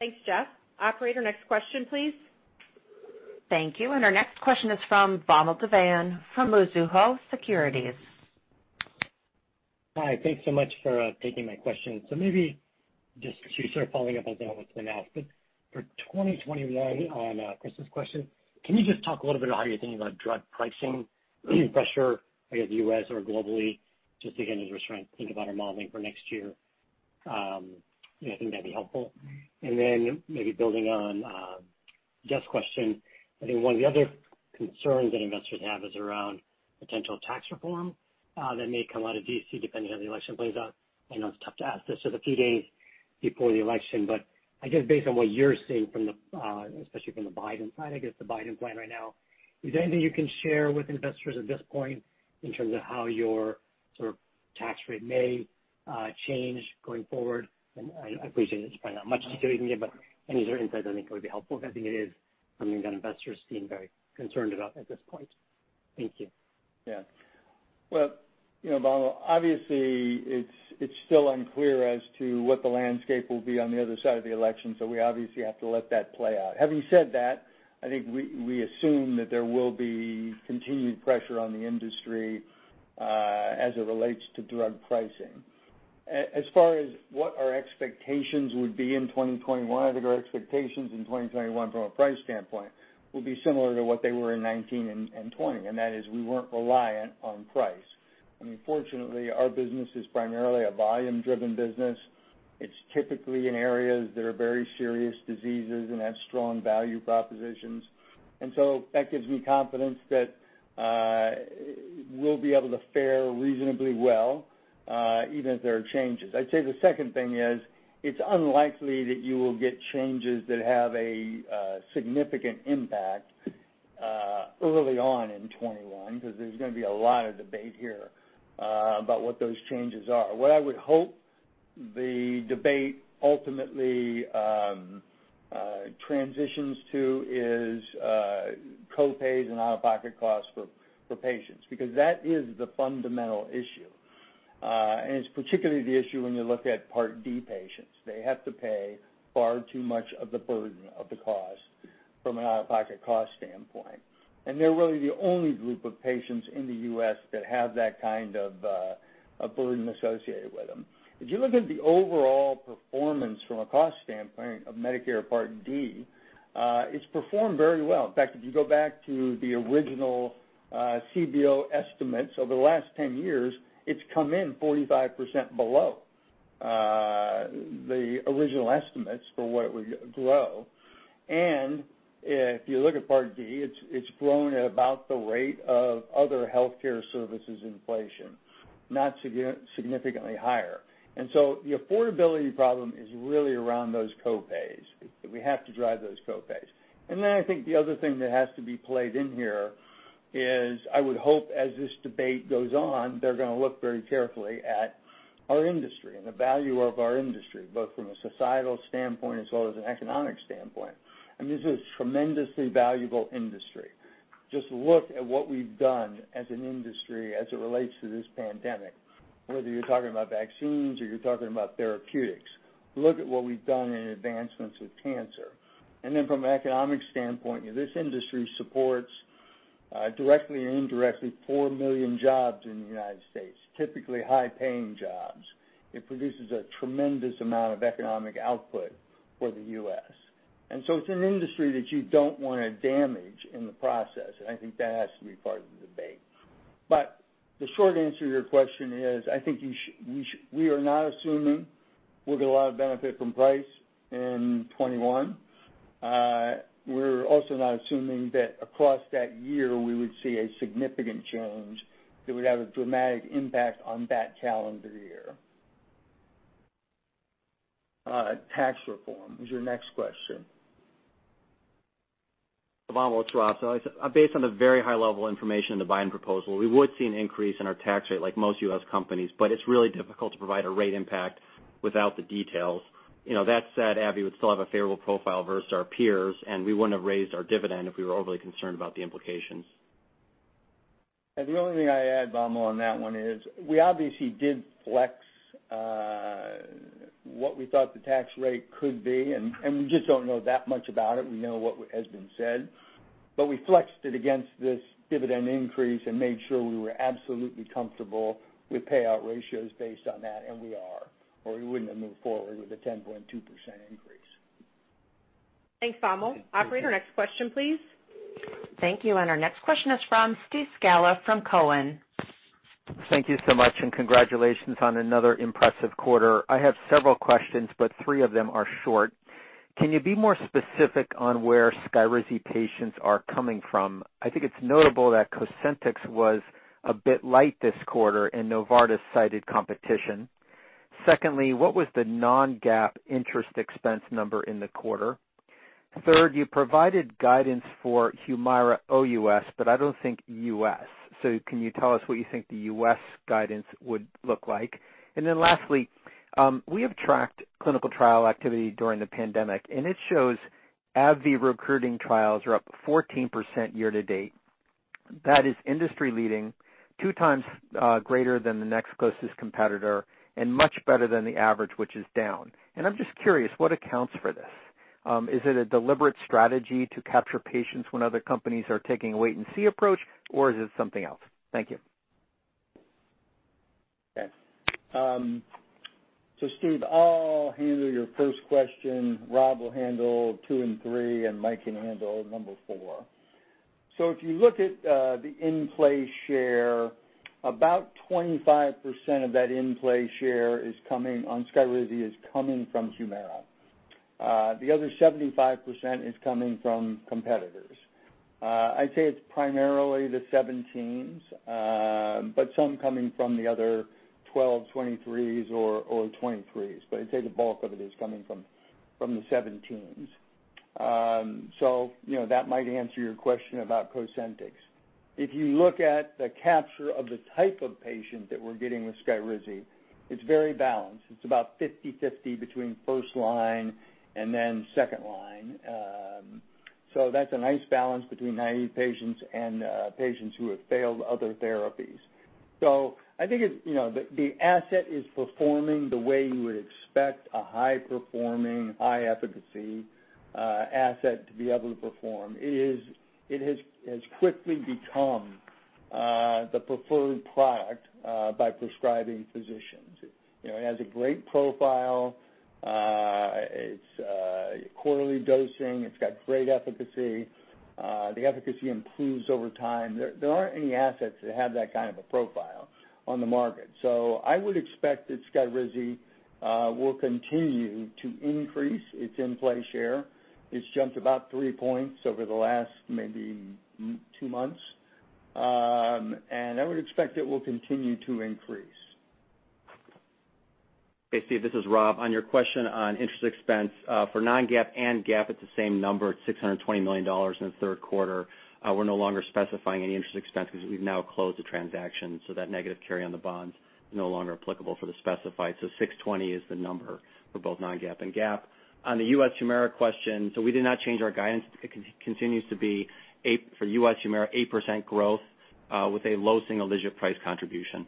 Thanks, Jeff. Operator, next question, please. Thank you. Our next question is from Vamil Divan from Mizuho Securities. Hi. Thanks so much for taking my question. Maybe just to start following up on what's been asked, but for 2021 on Chris's question, can you just talk a little bit about how you're thinking about drug pricing pressure, be it U.S. or globally, just again, as we're trying to think about our modeling for next year? I think that'd be helpful. Then maybe building on Jeffrey's question, I think one of the other concerns that investors have is around potential tax reform that may come out of D.C., depending how the election plays out. I know it's tough to ask this just a few days before the election, but I guess based on what you're seeing, especially from the Biden side, I guess the Biden plan right now, is there anything you can share with investors at this point in terms of how your sort of tax rate may change going forward? I appreciate there's probably not much detail you can give, but any sort of insights I think would be helpful because I think it is something that investors seem very concerned about at this point. Thank you. Yeah. Well, Vamil, obviously it's still unclear as to what the landscape will be on the other side of the election, so we obviously have to let that play out. Having said that, I think we assume that there will be continued pressure on the industry, as it relates to drug pricing. As far as what our expectations would be in 2021, I think our expectations in 2021 from a price standpoint will be similar to what they were in 2019 and 2020, and that is we weren't reliant on price. I mean, fortunately, our business is primarily a volume-driven business. It's typically in areas that are very serious diseases and have strong value propositions. That gives me confidence that we'll be able to fare reasonably well, even if there are changes. I'd say the second thing is it's unlikely that you will get changes that have a significant impact early on in 2021, because there's going to be a lot of debate here about what those changes are. What I would hope the debate ultimately transitions to is co-pays and out-of-pocket costs for patients, because that is the fundamental issue. It's particularly the issue when you look at Part D patients. They have to pay far too much of the burden of the cost from an out-of-pocket cost standpoint, and they're really the only group of patients in the U.S. that have that kind of burden associated with them. If you look at the overall performance from a cost standpoint of Medicare Part D, it's performed very well. In fact, if you go back to the original CBO estimates over the last 10 years, it's come in 45% below the original estimates for what it would grow. If you look at Part D, it's grown at about the rate of other healthcare services inflation, not significantly higher. The affordability problem is really around those co-pays. We have to drive those co-pays. I think the other thing that has to be played in here is I would hope, as this debate goes on, they're going to look very carefully at our industry and the value of our industry, both from a societal standpoint as well as an economic standpoint. I mean, this is a tremendously valuable industry. Just look at what we've done as an industry as it relates to this pandemic, whether you're talking about vaccines or you're talking about therapeutics. Look at what we've done in advancements with cancer. From an economic standpoint, this industry supports, directly or indirectly, 4 million jobs in the U.S., typically high-paying jobs. It produces a tremendous amount of economic output for the U.S. It's an industry that you don't want to damage in the process, and I think that has to be part of the debate. The short answer to your question is, I think we are not assuming we'll get a lot of benefit from price in 2021. We're also not assuming that across that year we would see a significant change that would have a dramatic impact on that calendar year. Tax reform is your next question. Vamil. Based on the very high-level information in the Biden proposal, we would see an increase in our tax rate like most U.S. companies, but it's really difficult to provide a rate impact without the details. That said, AbbVie would still have a favorable profile versus our peers, and we wouldn't have raised our dividend if we were overly concerned about the implications. The only thing I'd add, Vamil, on that one is we obviously did flex what we thought the tax rate could be, and we just don't know that much about it. We know what has been said. But we flexed it against this dividend increase and made sure we were absolutely comfortable with payout ratios based on that, and we are, or we wouldn't have moved forward with a 10.2% increase. Thanks, Vamil. Operator, next question, please. Thank you. Our next question is from Steve Scala from Cowen. Thank you so much. Congratulations on another impressive quarter. I have several questions. Three of them are short. Can you be more specific on where SKYRIZI patients are coming from? I think it's notable that COSENTYX was a bit light this quarter, and Novartis cited competition. Secondly, what was the non-GAAP interest expense number in the quarter? Third, you provided guidance for HUMIRA OUS. I don't think U.S. Can you tell us what you think the U.S. guidance would look like? Lastly, we have tracked clinical trial activity during the pandemic, and it shows AbbVie recruiting trials are up 14% year-to-date. That is industry-leading, two times greater than the next closest competitor, and much better than the average, which is down. I'm just curious, what accounts for this? Is it a deliberate strategy to capture patients when other companies are taking a wait and see approach, or is it something else? Thank you. Okay. Steve, I'll handle your first question. Rob will handle two and three, and Mike can handle number four. If you look at the in-play share, about 25% of that in-play share on SKYRIZI is coming from HUMIRA. The other 75% is coming from competitors. I'd say it's primarily the IL-17s, some coming from the other IL-12/23s or IL-23s. I'd say the bulk of it is coming from the IL-17s. That might answer your question about COSENTYX. If you look at the capture of the type of patient that we're getting with SKYRIZI, it's very balanced. It's about 50/50 between first-line and then second-line. That's a nice balance between naive patients and patients who have failed other therapies. I think the asset is performing the way you would expect a high-performing, high-efficacy asset to be able to perform. It has quickly become the preferred product by prescribing physicians. It has a great profile. It's quarterly dosing. It's got great efficacy. The efficacy improves over time. There aren't any assets that have that kind of a profile on the market. So I would expect that SKYRIZI will continue to increase its in-play share. It's jumped about three points over the last maybe two months, and I would expect it will continue to increase. Hey, Steve, this is Rob. On your question on interest expense, for non-GAAP and GAAP, it’s the same number. It’s $620 million in the third quarter. We’re no longer specifying any interest expense because we’ve now closed the transaction, so that negative carry on the bond is no longer applicable for the specified. 620 is the number for both non-GAAP and GAAP. On the U.S. HUMIRA question, we did not change our guidance. It continues to be, for U.S. HUMIRA, 8% growth with a low single-digit price contribution.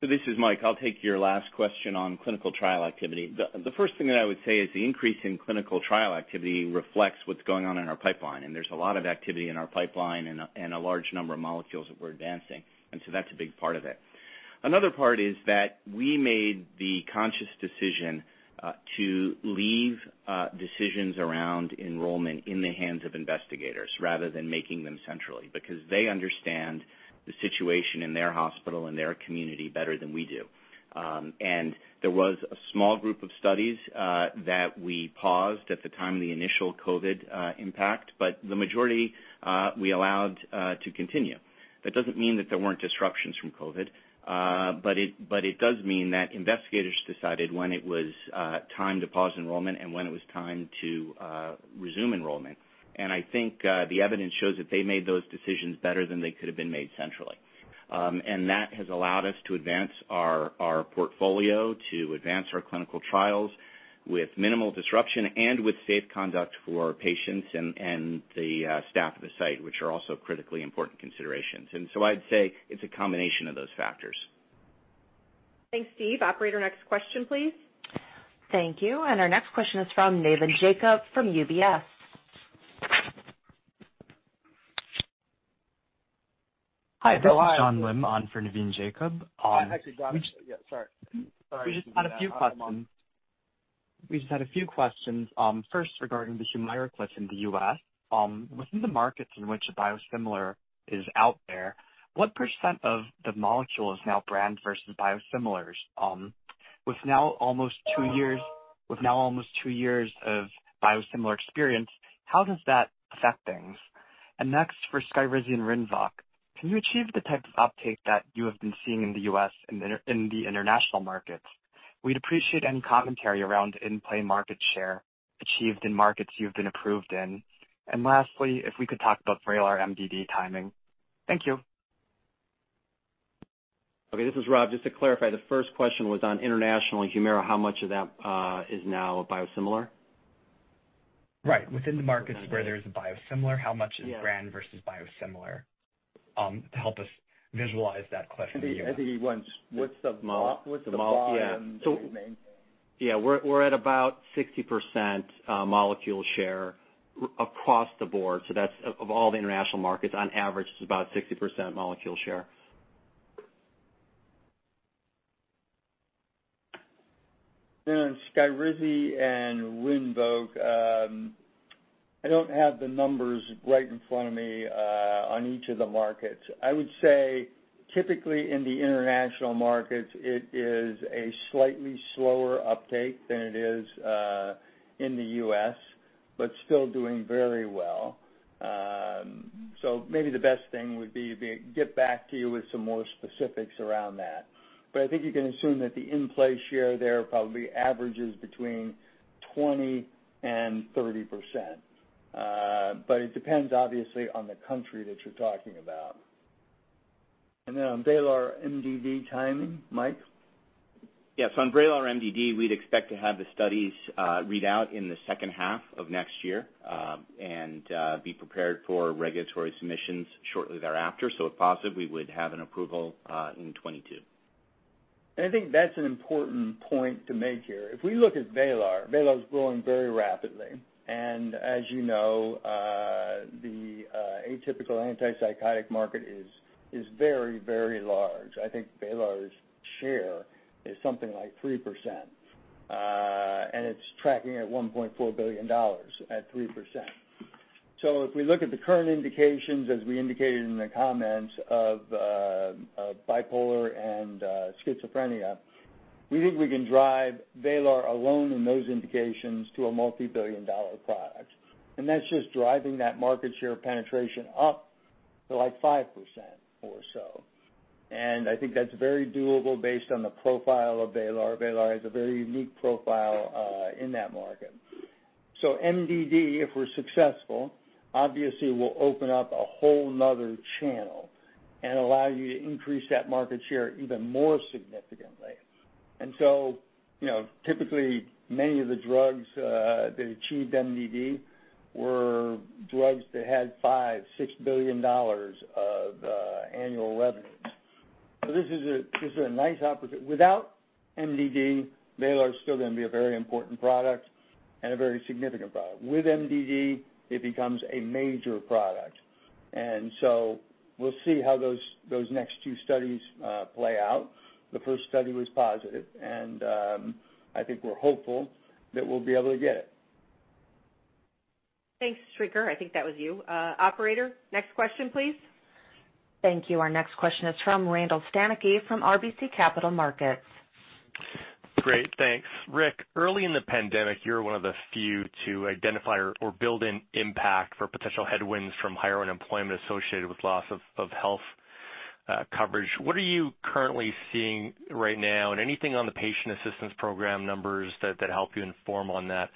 This is Mike. I'll take your last question on clinical trial activity. The first thing that I would say is the increase in clinical trial activity reflects what's going on in our pipeline, there's a lot of activity in our pipeline and a large number of molecules that we're advancing. That's a big part of it. Another part is that we made the conscious decision to leave decisions around enrollment in the hands of investigators rather than making them centrally, because they understand the situation in their hospital and their community better than we do. There was a small group of studies that we paused at the time of the initial COVID impact, but the majority we allowed to continue. That doesn't mean that there weren't disruptions from COVID. It does mean that investigators decided when it was time to pause enrollment and when it was time to resume enrollment. I think the evidence shows that they made those decisions better than they could have been made centrally. That has allowed us to advance our portfolio, to advance our clinical trials with minimal disruption and with safe conduct for patients and the staff of the site, which are also critically important considerations. I'd say it's a combination of those factors. Thanks, Steve. Operator, next question, please. Thank you. Our next question is from Navin Jacob from UBS. Hi, this is John Lim on for Navin Jacob. Hi. Yeah, sorry. We just had a few questions. First, regarding the HUMIRA question in the U.S. Within the markets in which a biosimilar is out there, what percent of the molecule is now brand versus biosimilars? With now almost two years of biosimilar experience, how does that affect things? Next for SKYRIZI and RINVOQ, can you achieve the type of uptake that you have been seeing in the U.S. in the international markets? We'd appreciate any commentary around in-play market share achieved in markets you've been approved in. Lastly, if we could talk about VRAYLAR MDD timing. Thank you. Okay, this is Rob. Just to clarify, the first question was on international HUMIRA. How much of that is now biosimilar? Right. Within the markets where there is a biosimilar, how much is brand versus biosimilar? To help us visualize that question. I think he wants what's the volume remaining? Yeah. We're at about 60% molecule share across the board. That's of all the international markets. On average, it's about 60% molecule share. On SKYRIZI and RINVOQ, I don't have the numbers right in front of me on each of the markets. I would say typically in the international markets, it is a slightly slower uptake than it is in the U.S., but still doing very well. Maybe the best thing would be to get back to you with some more specifics around that. I think you can assume that the in-play share there probably averages between 20% and 30%. It depends obviously on the country that you're talking about. On VRAYLAR MDD timing, Mike? Yes. On VRAYLAR MDD, we'd expect to have the studies read out in the second half of next year, and be prepared for regulatory submissions shortly thereafter. If positive, we would have an approval in 2022. I think that's an important point to make here. If we look at VRAYLAR's growing very rapidly. As you know, the atypical antipsychotic market is very, very large. I think VRAYLAR's share is something like 3%, and it's tracking at $1.4 billion at 3%. If we look at the current indications, as we indicated in the comments of bipolar and schizophrenia, we think we can drive VRAYLAR alone in those indications to a multi-billion-dollar product. That's just driving that market share penetration up to 5% or so. I think that's very doable based on the profile of VRAYLAR. VRAYLAR has a very unique profile in that market. MDD, if we're successful, obviously will open up a whole another channel and allow you to increase that market share even more significantly. Typically, many of the drugs that achieved MDD were drugs that had $5 billion, $6 billion of annual revenues. This is a nice opportunity. Without MDD, VRAYLAR is still going to be a very important product and a very significant product. With MDD, it becomes a major product, we'll see how those next two studies play out. The first study was positive, and I think we're hopeful that we'll be able to get it. Thanks, John. I think that was you. Operator, next question, please. Thank you. Our next question is from Randall Stanicky from RBC Capital Markets. Great, thanks. Rick, early in the pandemic, you were one of the few to identify or build in impact for potential headwinds from higher unemployment associated with loss of health coverage. What are you currently seeing right now? Anything on the patient assistance program numbers that help you inform on that?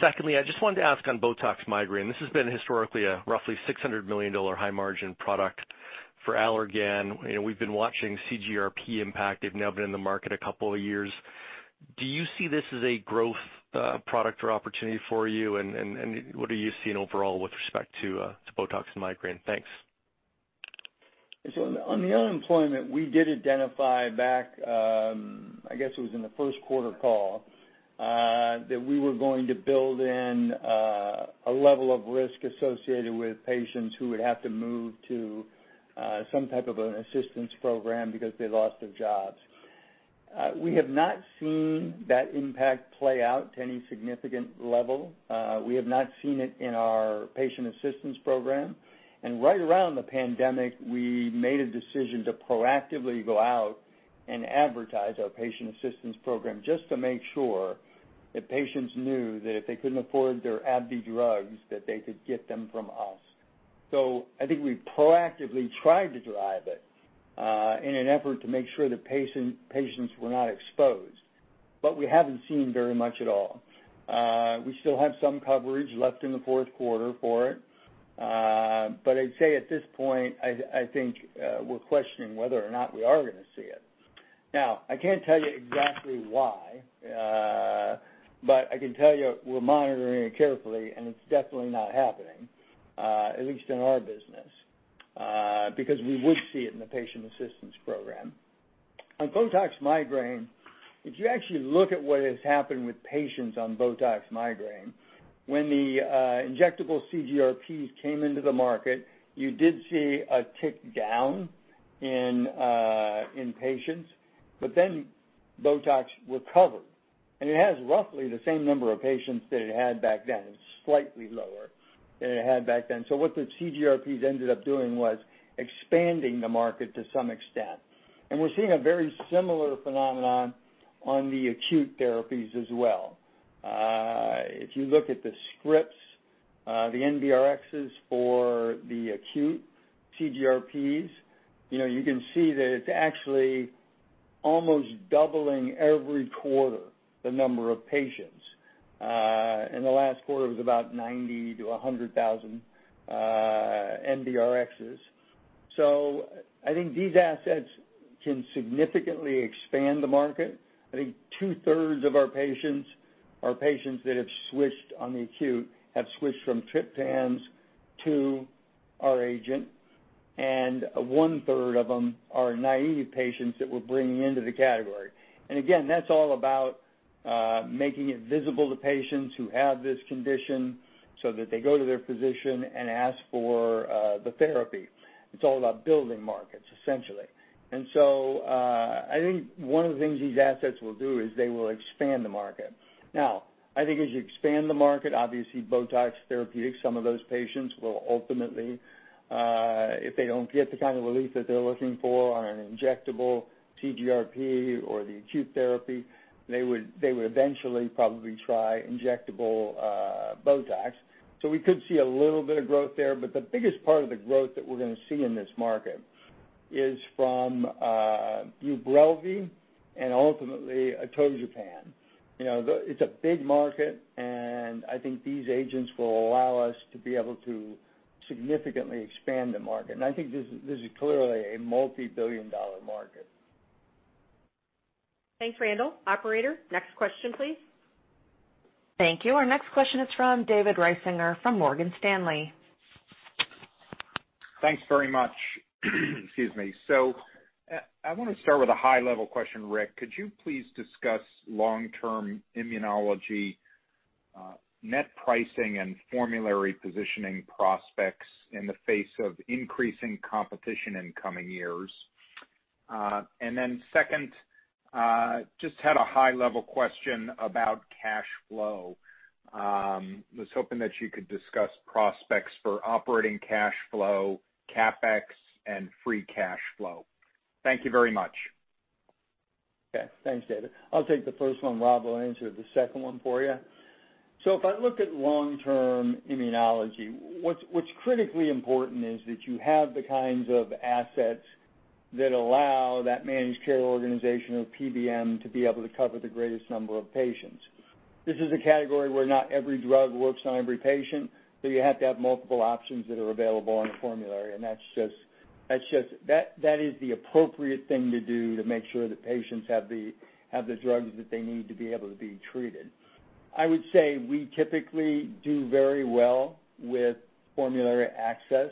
Secondly, I just wanted to ask on BOTOX Migraine. This has been historically a roughly $600 million high margin product for Allergan. We've been watching CGRP impact. They've now been in the market a couple of years. Do you see this as a growth product or opportunity for you? What are you seeing overall with respect to BOTOX and migraine? Thanks. On the unemployment, we did identify back, I guess it was in the first quarter call, that we were going to build in a level of risk associated with patients who would have to move to some type of an assistance program because they lost their jobs. We have not seen that impact play out to any significant level. We have not seen it in our patient assistance program. Right around the pandemic, we made a decision to proactively go out and advertise our patient assistance program just to make sure that patients knew that if they couldn't afford their AbbVie drugs, that they could get them from us. I think we proactively tried to drive it in an effort to make sure that patients were not exposed. We haven't seen very much at all. We still have some coverage left in the fourth quarter for it. I'd say at this point, I think we're questioning whether or not we are going to see it. I can't tell you exactly why, but I can tell you we're monitoring it carefully, and it's definitely not happening, at least in our business, because we would see it in the patient assistance program. On BOTOX migraine, if you actually look at what has happened with patients on BOTOX migraine, when the injectable CGRPs came into the market, you did see a tick down in patients, but then BOTOX recovered, and it has roughly the same number of patients that it had back then. It's slightly lower than it had back then. What the CGRPs ended up doing was expanding the market to some extent. We're seeing a very similar phenomenon on the acute therapies as well. If you look at the scripts, the NBRxs for the acute CGRPs, you can see that it's actually almost doubling every quarter, the number of patients. In the last quarter, it was about 90,000-100,000 NBRxs. I think these assets can significantly expand the market. I think two-thirds of our patients are patients that have switched on the acute, have switched from triptans to our agent, and one-third of them are naive patients that we're bringing into the category. Again, that's all about making it visible to patients who have this condition so that they go to their physician and ask for the therapy. It's all about building markets, essentially. I think one of the things these assets will do is they will expand the market. I think as you expand the market, obviously BOTOX Therapeutics, some of those patients will ultimately, if they don't get the kind of relief that they're looking for on an injectable CGRP or the acute therapy, they would eventually probably try injectable BOTOX. We could see a little bit of growth there. The biggest part of the growth that we're going to see in this market is from UBRELVY and ultimately atogepant. It's a big market, and I think these agents will allow us to be able to significantly expand the market. I think this is clearly a multi-billion dollar market. Thanks, Randall. Operator, next question, please. Thank you. Our next question is from David Risinger, from Morgan Stanley. Thanks very much. Excuse me. I want to start with a high-level question, Rick. Could you please discuss long-term immunology net pricing and formulary positioning prospects in the face of increasing competition in coming years? Then second, just had a high-level question about cash flow. Was hoping that you could discuss prospects for operating cash flow, CapEx, and free cash flow. Thank you very much. Okay. Thanks, David. I'll take the first one. Rob will answer the second one for you. If I look at long-term immunology, what's critically important is that you have the kinds of assets that allow that managed care organization or PBM to be able to cover the greatest number of patients. This is a category where not every drug works on every patient, so you have to have multiple options that are available on the formulary. That is the appropriate thing to do to make sure that patients have the drugs that they need to be able to be treated. I would say we typically do very well with formulary access.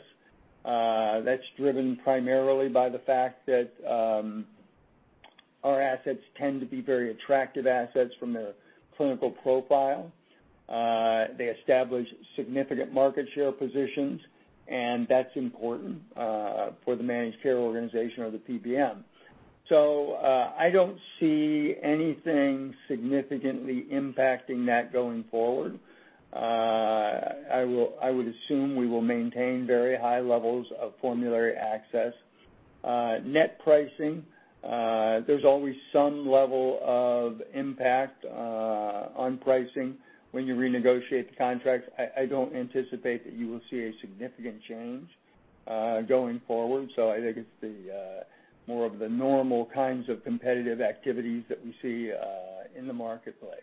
That's driven primarily by the fact that our assets tend to be very attractive assets from their clinical profile. They establish significant market share positions, and that's important for the managed care organization or the PBM. I don't see anything significantly impacting that going forward. I would assume we will maintain very high levels of formulary access. Net pricing, there's always some level of impact on pricing when you renegotiate the contracts. I don't anticipate that you will see a significant change going forward. I think it's more of the normal kinds of competitive activities that we see in the marketplace.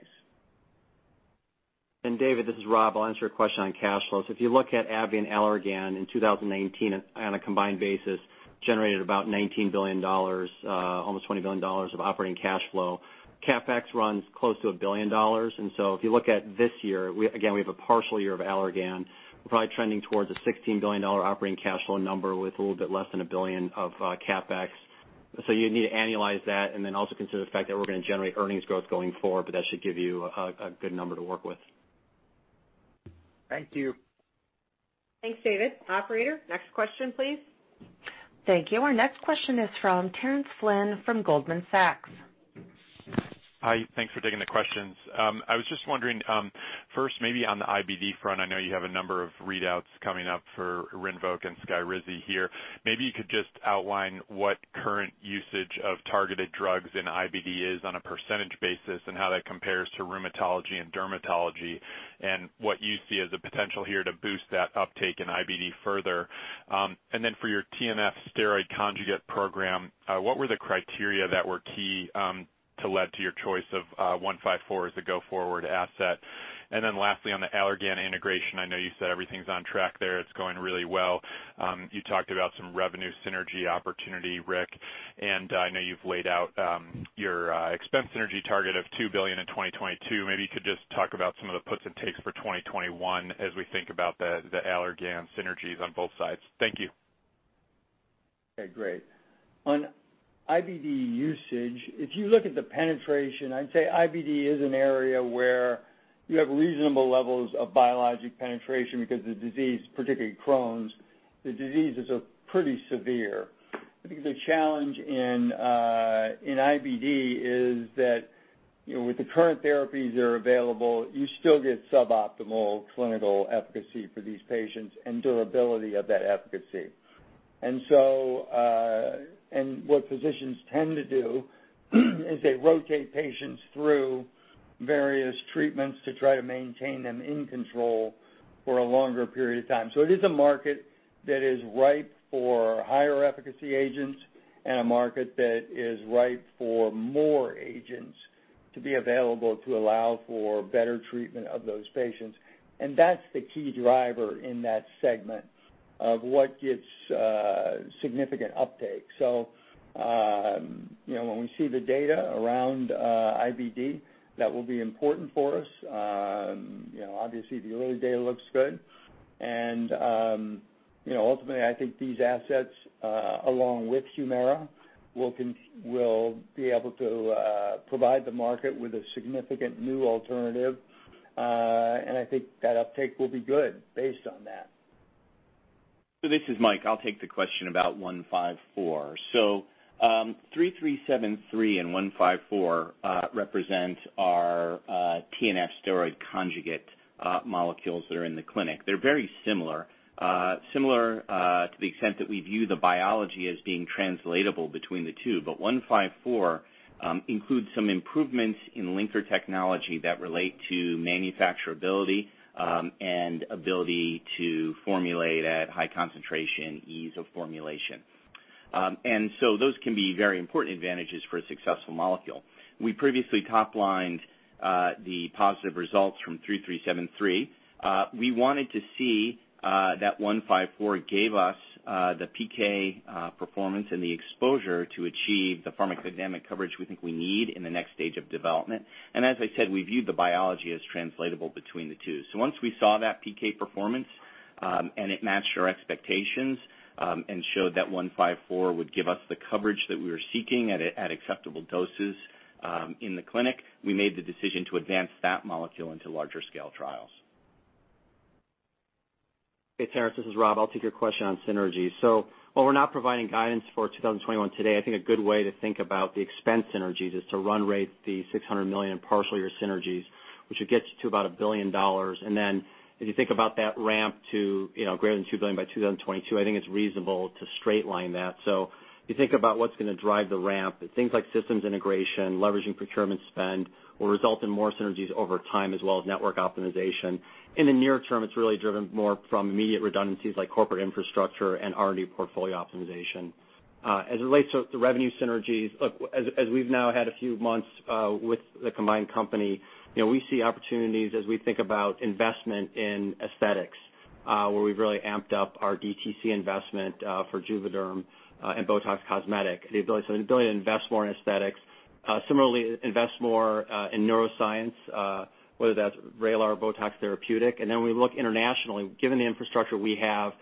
David, this is Rob. I'll answer a question on cash flows. If you look at AbbVie and Allergan in 2019, on a combined basis, generated about $19 billion, almost $20 billion of operating cash flow. CapEx runs close to $1 billion. If you look at this year, again, we have a partial year of Allergan. We're probably trending towards a $16 billion operating cash flow number with a little bit less than $1 billion of CapEx. You need to annualize that and then also consider the fact that we're going to generate earnings growth going forward. That should give you a good number to work with. Thank you. Thanks, David. Operator, next question, please. Thank you. Our next question is from Terence Flynn from Goldman Sachs. Hi, thanks for taking the questions. I was just wondering, first, maybe on the IBD front, I know you have a number of readouts coming up for RINVOQ and SKYRIZI here. Maybe you could just outline what current usage of targeted drugs in IBD is on a percentage basis and how that compares to rheumatology and dermatology, and what you see as the potential here to boost that uptake in IBD further. Then for your TNF steroid conjugate program, what were the criteria that were key to lead to your choice of 154 as a go-forward asset? Then lastly, on the Allergan integration, I know you said everything's on track there. It's going really well. You talked about some revenue synergy opportunity, Rick, I know you've laid out your expense synergy target of $2 billion in 2022. Maybe you could just talk about some of the puts and takes for 2021 as we think about the Allergan synergies on both sides. Thank you. Okay, great. On IBD usage, if you look at the penetration, I'd say IBD is an area where you have reasonable levels of biologic penetration because the disease, particularly Crohn's, the disease is pretty severe. I think the challenge in IBD is that with the current therapies that are available, you still get suboptimal clinical efficacy for these patients and durability of that efficacy. What physicians tend to do is they rotate patients through various treatments to try to maintain them in control for a longer period of time. It is a market that is ripe for higher efficacy agents and a market that is ripe for more agents to be available to allow for better treatment of those patients. That's the key driver in that segment of what gives significant uptake. When we see the data around IBD, that will be important for us. Ultimately I think these assets, along with HUMIRA, will be able to provide the market with a significant new alternative. I think that uptake will be good based on that. This is Mike, I'll take the question about 154. 3373 and 154 represent our TNF steroid conjugate molecules that are in the clinic. They're very similar. Similar to the extent that we view the biology as being translatable between the two. 154 includes some improvements in linker technology that relate to manufacturability, and ability to formulate at high concentration, ease of formulation. Those can be very important advantages for a successful molecule. We previously top-lined the positive results from 3373. We wanted to see that 154 gave us the PK performance and the exposure to achieve the pharmacodynamic coverage we think we need in the next stage of development. As I said, we viewed the biology as translatable between the two. Once we saw that PK performance, and it matched our expectations, and showed that 154 would give us the coverage that we were seeking at acceptable doses in the clinic, we made the decision to advance that molecule into larger scale trials. Hey, Terence, this is Rob. I'll take your question on synergies. While we're not providing guidance for 2021 today, I think a good way to think about the expense synergies is to run rate the $600 million, partial year synergies, which would get you to about $1 billion. Then if you think about that ramp to greater than $2 billion by 2022, I think it's reasonable to straight line that. If you think about what's going to drive the ramp, it's things like systems integration, leveraging procurement spend, will result in more synergies over time, as well as network optimization. In the near term, it's really driven more from immediate redundancies like corporate infrastructure and R&D portfolio optimization. As it relates to the revenue synergies, look, as we've now had a few months with the combined company, we see opportunities as we think about investment in aesthetics, where we've really amped up our DTC investment for JUVÉDERM and BOTOX Cosmetic, the ability to invest more in aesthetics. Similarly, invest more in neuroscience, whether that's VRAYLAR or BOTOX therapeutic. When we look internationally, given the infrastructure we have,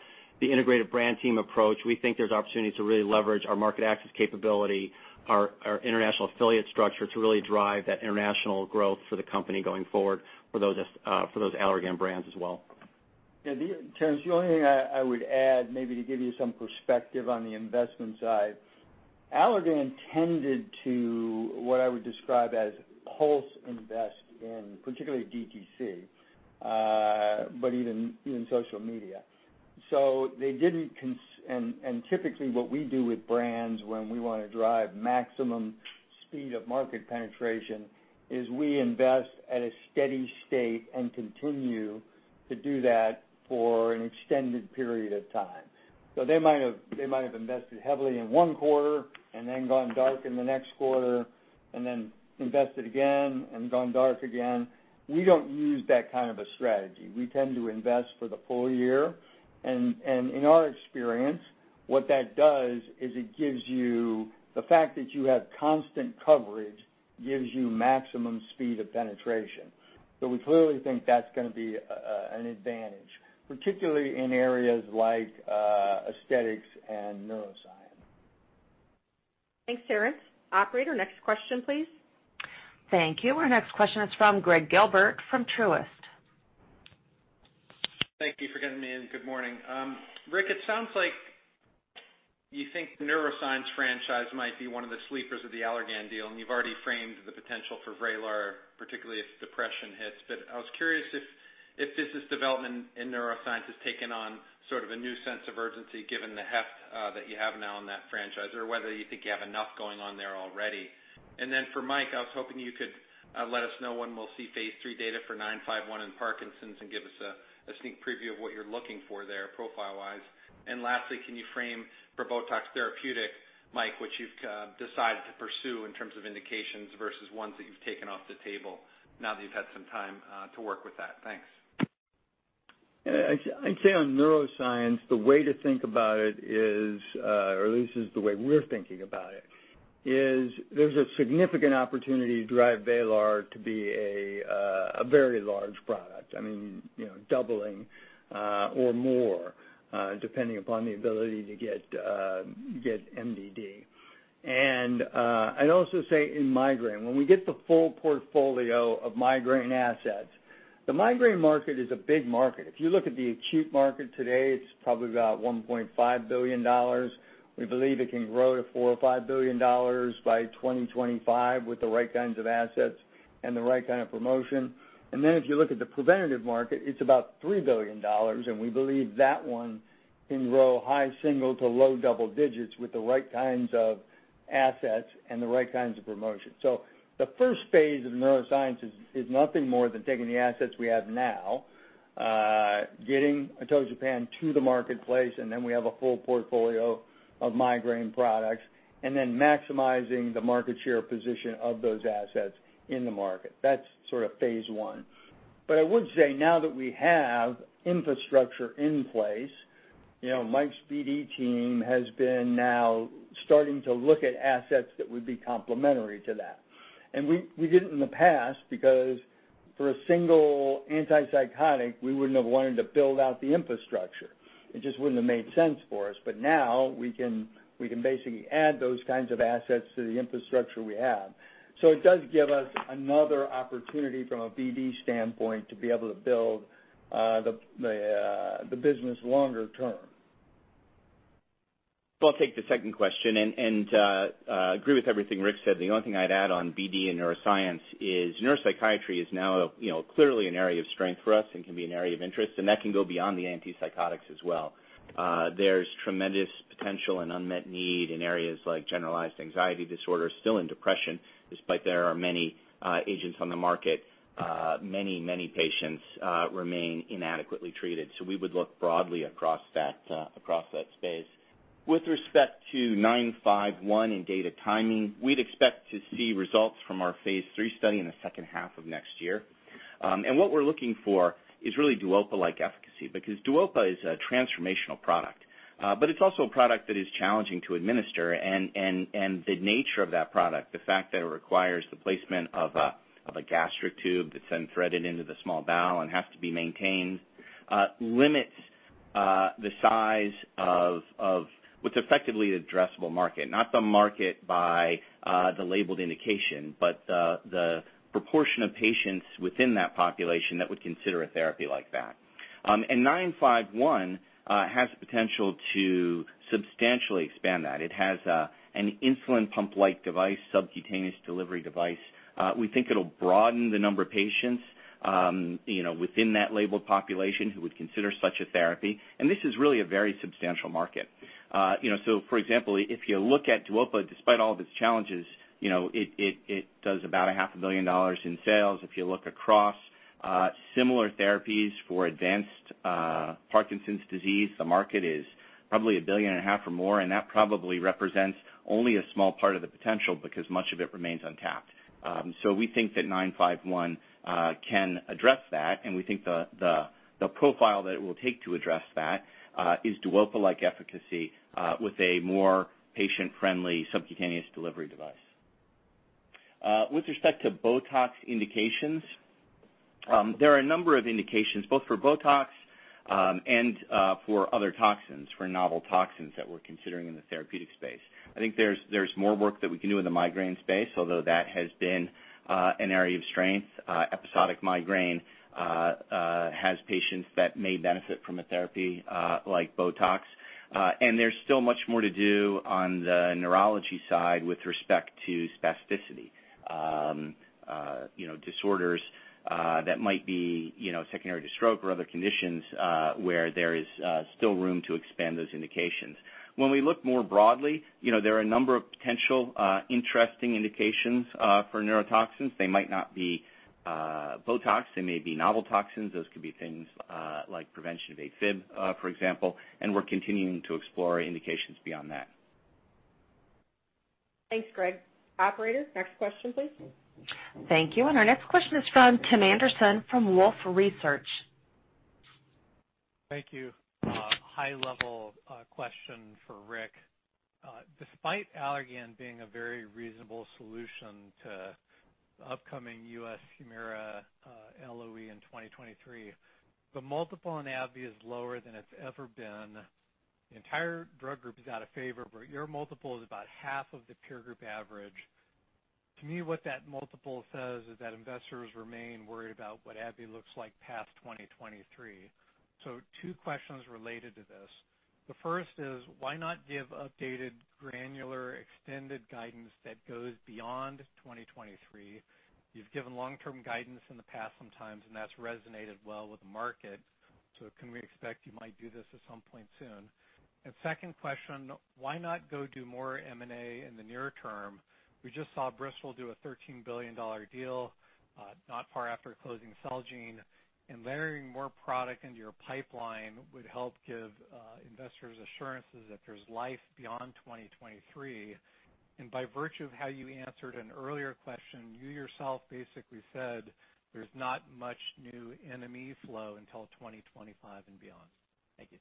the integrated brand team approach, we think there's opportunity to really leverage our market access capability, our international affiliate structure to really drive that international growth for the company going forward for those Allergan brands as well. Yeah. Terence, the only thing I would add, maybe to give you some perspective on the investment side, Allergan tended to, what I would describe as pulse invest in particularly DTC, but even social media. Typically what we do with brands when we want to drive maximum speed of market penetration is we invest at a steady state and continue to do that for an extended period of time. They might have invested heavily in one quarter and then gone dark in the next quarter and then invested again and gone dark again. We don't use that kind of a strategy. We tend to invest for the full year, and in our experience, what that does is it gives you the fact that you have constant coverage, gives you maximum speed of penetration. We clearly think that's going to be an advantage, particularly in areas like aesthetics and neuroscience. Thanks, Terence. Operator, next question, please. Thank you. Our next question is from Gregg Gilbert from Truist. Thank you for getting me in. Good morning. Rick, it sounds like you think the neuroscience franchise might be one of the sleepers of the Allergan deal, you've already framed the potential for VRAYLAR, particularly if depression hits. I was curious if business development in neuroscience has taken on sort of a new sense of urgency given the heft that you have now in that franchise, or whether you think you have enough going on there already. For Mike, I was hoping you could let us know when we'll see phase III data for ABBV-951 in Parkinson's, and give us a sneak preview of what you're looking for there profile-wise. Lastly, can you frame for BOTOX therapeutic, Mike, what you've decided to pursue in terms of indications versus ones that you've taken off the table now that you've had some time to work with that? Thanks. Yeah. I'd say on neuroscience, the way to think about it is, or at least this is the way we're thinking about it, is there's a significant opportunity to drive VRAYLAR to be a very large product. I mean doubling or more, depending upon the ability to get MDD. I'd also say in migraine, when we get the full portfolio of migraine assets. The migraine market is a big market. If you look at the acute market today, it's probably about $1.5 billion. We believe it can grow to $4 billion or $5 billion by 2025 with the right kinds of assets and the right kind of promotion. If you look at the preventative market, it's about $3 billion, and we believe that one can grow high single to low double digits with the right kinds of assets and the right kinds of promotion. The first phase of the neuroscience is nothing more than taking the assets we have now, getting atogepant to the marketplace, and then we have a full portfolio of migraine products, and then maximizing the market share position of those assets in the market. That's phase one. I would say now that we have infrastructure in place, Mike's BD team has been now starting to look at assets that would be complementary to that. We didn't in the past because for a single antipsychotic, we wouldn't have wanted to build out the infrastructure. It just wouldn't have made sense for us. Now, we can basically add those kinds of assets to the infrastructure we have. It does give us another opportunity from a BD standpoint to be able to build the business longer term. Well, I'll take the second question, and agree with everything Rick said. The only thing I'd add on BD and neuroscience is neuropsychiatry is now clearly an area of strength for us and can be an area of interest, and that can go beyond the antipsychotics as well. There's tremendous potential and unmet need in areas like generalized anxiety disorder, still in depression, despite there are many agents on the market. Many patients remain inadequately treated, we would look broadly across that space. With respect to ABBV-951 and data timing, we'd expect to see results from our phase III study in the second half of next year. What we're looking for is really DUOPA-like efficacy, because DUOPA is a transformational product. It's also a product that is challenging to administer, and the nature of that product, the fact that it requires the placement of a gastric tube that's then threaded into the small bowel and has to be maintained, limits the size of what's effectively the addressable market. Not the market by the labeled indication, but the proportion of patients within that population that would consider a therapy like that. ABBV-951 has potential to substantially expand that. It has an insulin pump-like device, subcutaneous delivery device. We think it'll broaden the number of patients within that labeled population who would consider such a therapy. This is really a very substantial market. For example, if you look at DUOPA, despite all of its challenges, it does about a half a billion dollars in sales. If you look across similar therapies for advanced Parkinson's disease, the market is probably a billion and a half or more, and that probably represents only a small part of the potential because much of it remains untapped. We think that ABBV-951 can address that, and we think the profile that it will take to address that is DUOPA-like efficacy with a more patient-friendly subcutaneous delivery device. With respect to BOTOX indications, there are a number of indications both for BOTOX and for other toxins, for novel toxins that we're considering in the therapeutic space. I think there's more work that we can do in the migraine space, although that has been an area of strength. Episodic migraine has patients that may benefit from a therapy like BOTOX. There's still much more to do on the neurology side with respect to spasticity. Disorders that might be secondary to stroke or other conditions where there is still room to expand those indications. When we look more broadly, there are a number of potential interesting indications for neurotoxins. They might not be BOTOX, they may be novel toxins. Those could be things like prevention of AFib, for example, and we're continuing to explore indications beyond that. Thanks, Gregg. Operator, next question, please. Thank you. Our next question is from Tim Anderson from Wolfe Research. Thank you. A high-level question for Rick. Despite Allergan being a very reasonable solution to upcoming U.S. HUMIRA LOE in 2023, the multiple on AbbVie is lower than it's ever been. The entire drug group is out of favor, but your multiple is about half of the peer group average. To me, what that multiple says is that investors remain worried about what AbbVie looks like past 2023. Two questions related to this. The first is why not give updated granular extended guidance that goes beyond 2023? You've given long-term guidance in the past sometimes, and that's resonated well with the market. Can we expect you might do this at some point soon? Second question, why not go do more M&A in the near term? We just saw Bristol do a $13 billion deal not far after closing Celgene, and layering more product into your pipeline would help give investors assurances that there's life beyond 2023. By virtue of how you answered an earlier question, you yourself basically said there's not much new NME flow until 2025 and beyond. Thank you.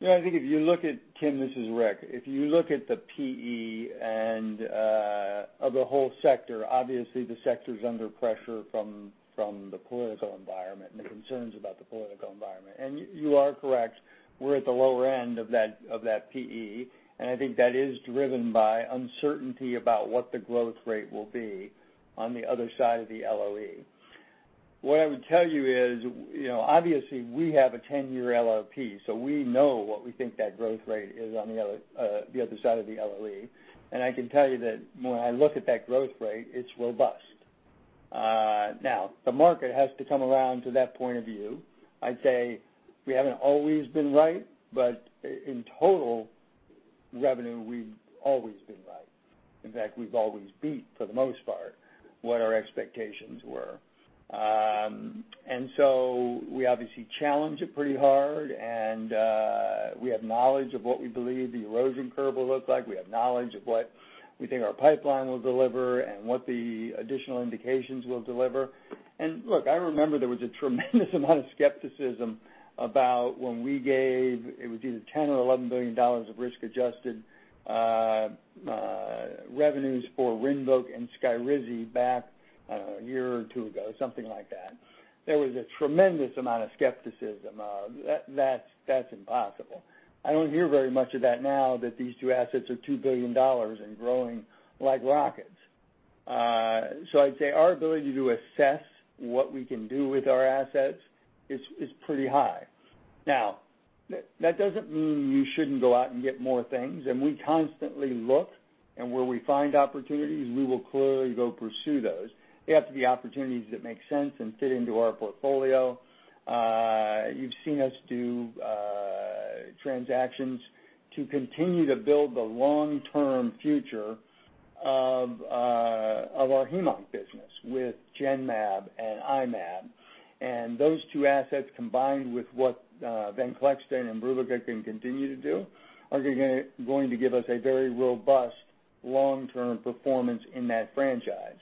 Yeah, Tim, this is Rick. If you look at the PE of the whole sector, obviously the sector's under pressure from the political environment and the concerns about the political environment. You are correct, we're at the lower end of that PE, and I think that is driven by uncertainty about what the growth rate will be on the other side of the LOE. What I would tell you is, obviously, we have a 10-year LRP, so we know what we think that growth rate is on the other side of the LOE. I can tell you that when I look at that growth rate, it's robust. Now, the market has to come around to that point of view. I'd say we haven't always been right, but in total revenue, we've always been right. In fact, we've always beat, for the most part, what our expectations were. We obviously challenge it pretty hard, and we have knowledge of what we believe the erosion curve will look like. We have knowledge of what we think our pipeline will deliver and what the additional indications will deliver. Look, I remember there was a tremendous amount of skepticism about when we gave, it was either $10 billion or $11 billion of risk-adjusted revenues for RINVOQ and SKYRIZI back a year or two ago, something like that. There was a tremendous amount of skepticism. "That's impossible." I don't hear very much of that now that these two assets are $2 billion and growing like rockets. I'd say our ability to assess what we can do with our assets is pretty high. Now, that doesn't mean you shouldn't go out and get more things. We constantly look, and where we find opportunities, we will clearly go pursue those. They have to be opportunities that make sense and fit into our portfolio. You've seen us do transactions to continue to build the long-term future of our heme-onc business with Genmab and I-Mab. Those two assets, combined with what VENCLEXTA and IMBRUVICA can continue to do, are going to give us a very robust long-term performance in that franchise.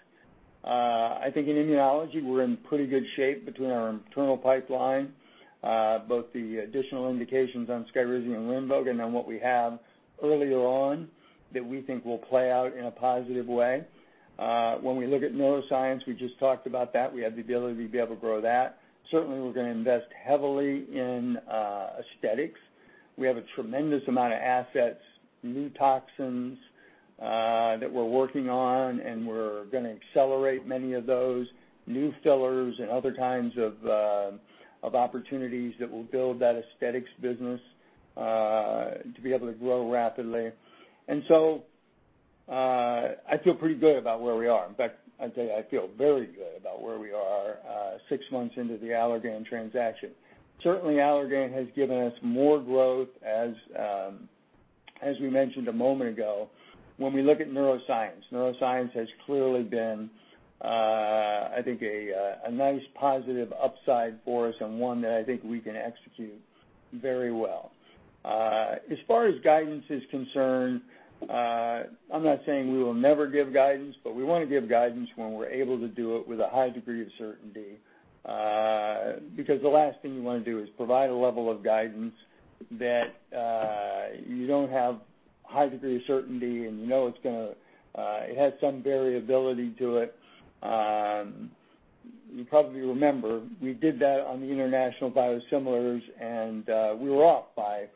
I think in immunology, we're in pretty good shape between our internal pipeline both the additional indications on SKYRIZI and RINVOQ and on what we have earlier on that we think will play out in a positive way. When we look at neuroscience, we just talked about that. We have the ability to be able to grow that. Certainly, we're going to invest heavily in aesthetics. We have a tremendous amount of assets, new toxins that we're working on, and we're going to accelerate many of those new fillers and other kinds of opportunities that will build that aesthetics business to be able to grow rapidly. I feel pretty good about where we are. In fact, I'd say I feel very good about where we are six months into the Allergan transaction. Certainly, Allergan has given us more growth, as we mentioned a moment ago, when we look at neuroscience. Neuroscience has clearly been, I think, a nice positive upside for us and one that I think we can execute very well. As far as guidance is concerned, I'm not saying we will never give guidance, but we want to give guidance when we're able to do it with a high degree of certainty. The last thing you want to do is provide a level of guidance that you don't have a high degree of certainty, and you know it has some variability to it. You probably remember, we did that on the international biosimilars, and we were off by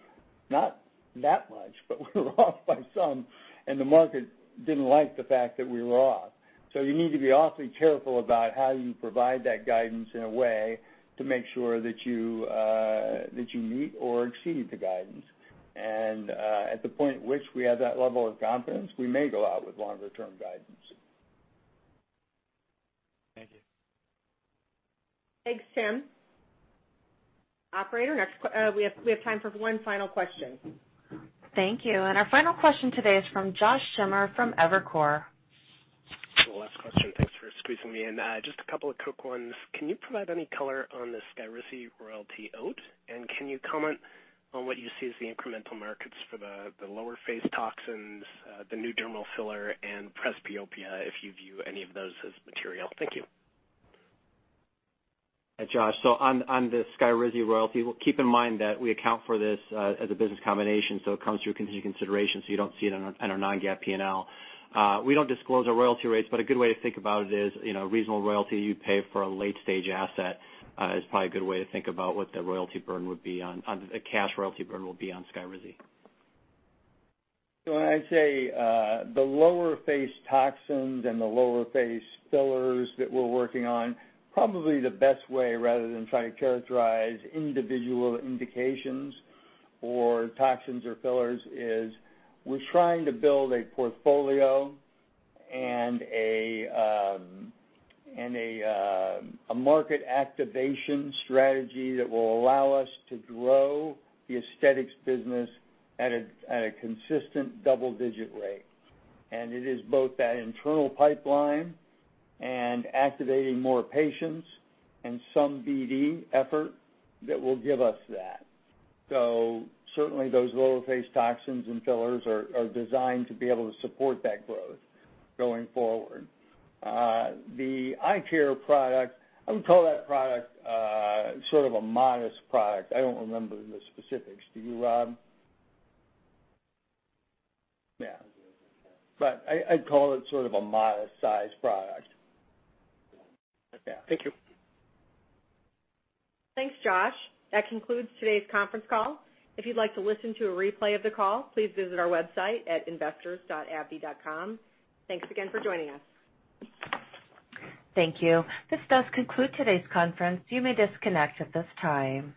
not that much, but we were off by some, and the market didn't like the fact that we were off. You need to be awfully careful about how you provide that guidance in a way to make sure that you meet or exceed the guidance. At the point at which we have that level of confidence, we may go out with longer-term guidance. Thank you. Thanks, Tim. Operator, we have time for one final question. Thank you. Our final question today is from Josh Schimmer from Evercore. The last question. Thanks for squeezing me in. Just a couple of quick ones. Can you provide any color on the SKYRIZI royalty out? Can you comment on what you see as the incremental markets for the lower phase toxins, the new dermal filler and presbyopia, if you view any of those as material? Thank you. Hi, Josh. On the SKYRIZI royalty, well, keep in mind that we account for this as a business combination, so it comes through continued consideration, so you don't see it on our non-GAAP P&L. We don't disclose our royalty rates, but a good way to think about it is a reasonable royalty you'd pay for a late-stage asset is probably a good way to think about what the royalty burden would be, the cash royalty burden will be on SKYRIZI. I'd say the lower phase toxins and the lower phase fillers that we're working on, probably the best way, rather than trying to characterize individual indications or toxins or fillers, is we're trying to build a portfolio and a market activation strategy that will allow us to grow the aesthetics business at a consistent double-digit rate. It is both that internal pipeline and activating more patients and some BD effort that will give us that. Certainly those lower phase toxins and fillers are designed to be able to support that growth going forward. The eye care product, I would call that product sort of a modest product. I don't remember the specifics. Do you, Rob? Yeah. I'd call it sort of a modest-sized product. Yeah. Thank you. Thanks, Josh. That concludes today's conference call. If you'd like to listen to a replay of the call, please visit our website at investors.abbvie.com. Thanks again for joining us. Thank you. This does conclude today's conference. You may disconnect at this time.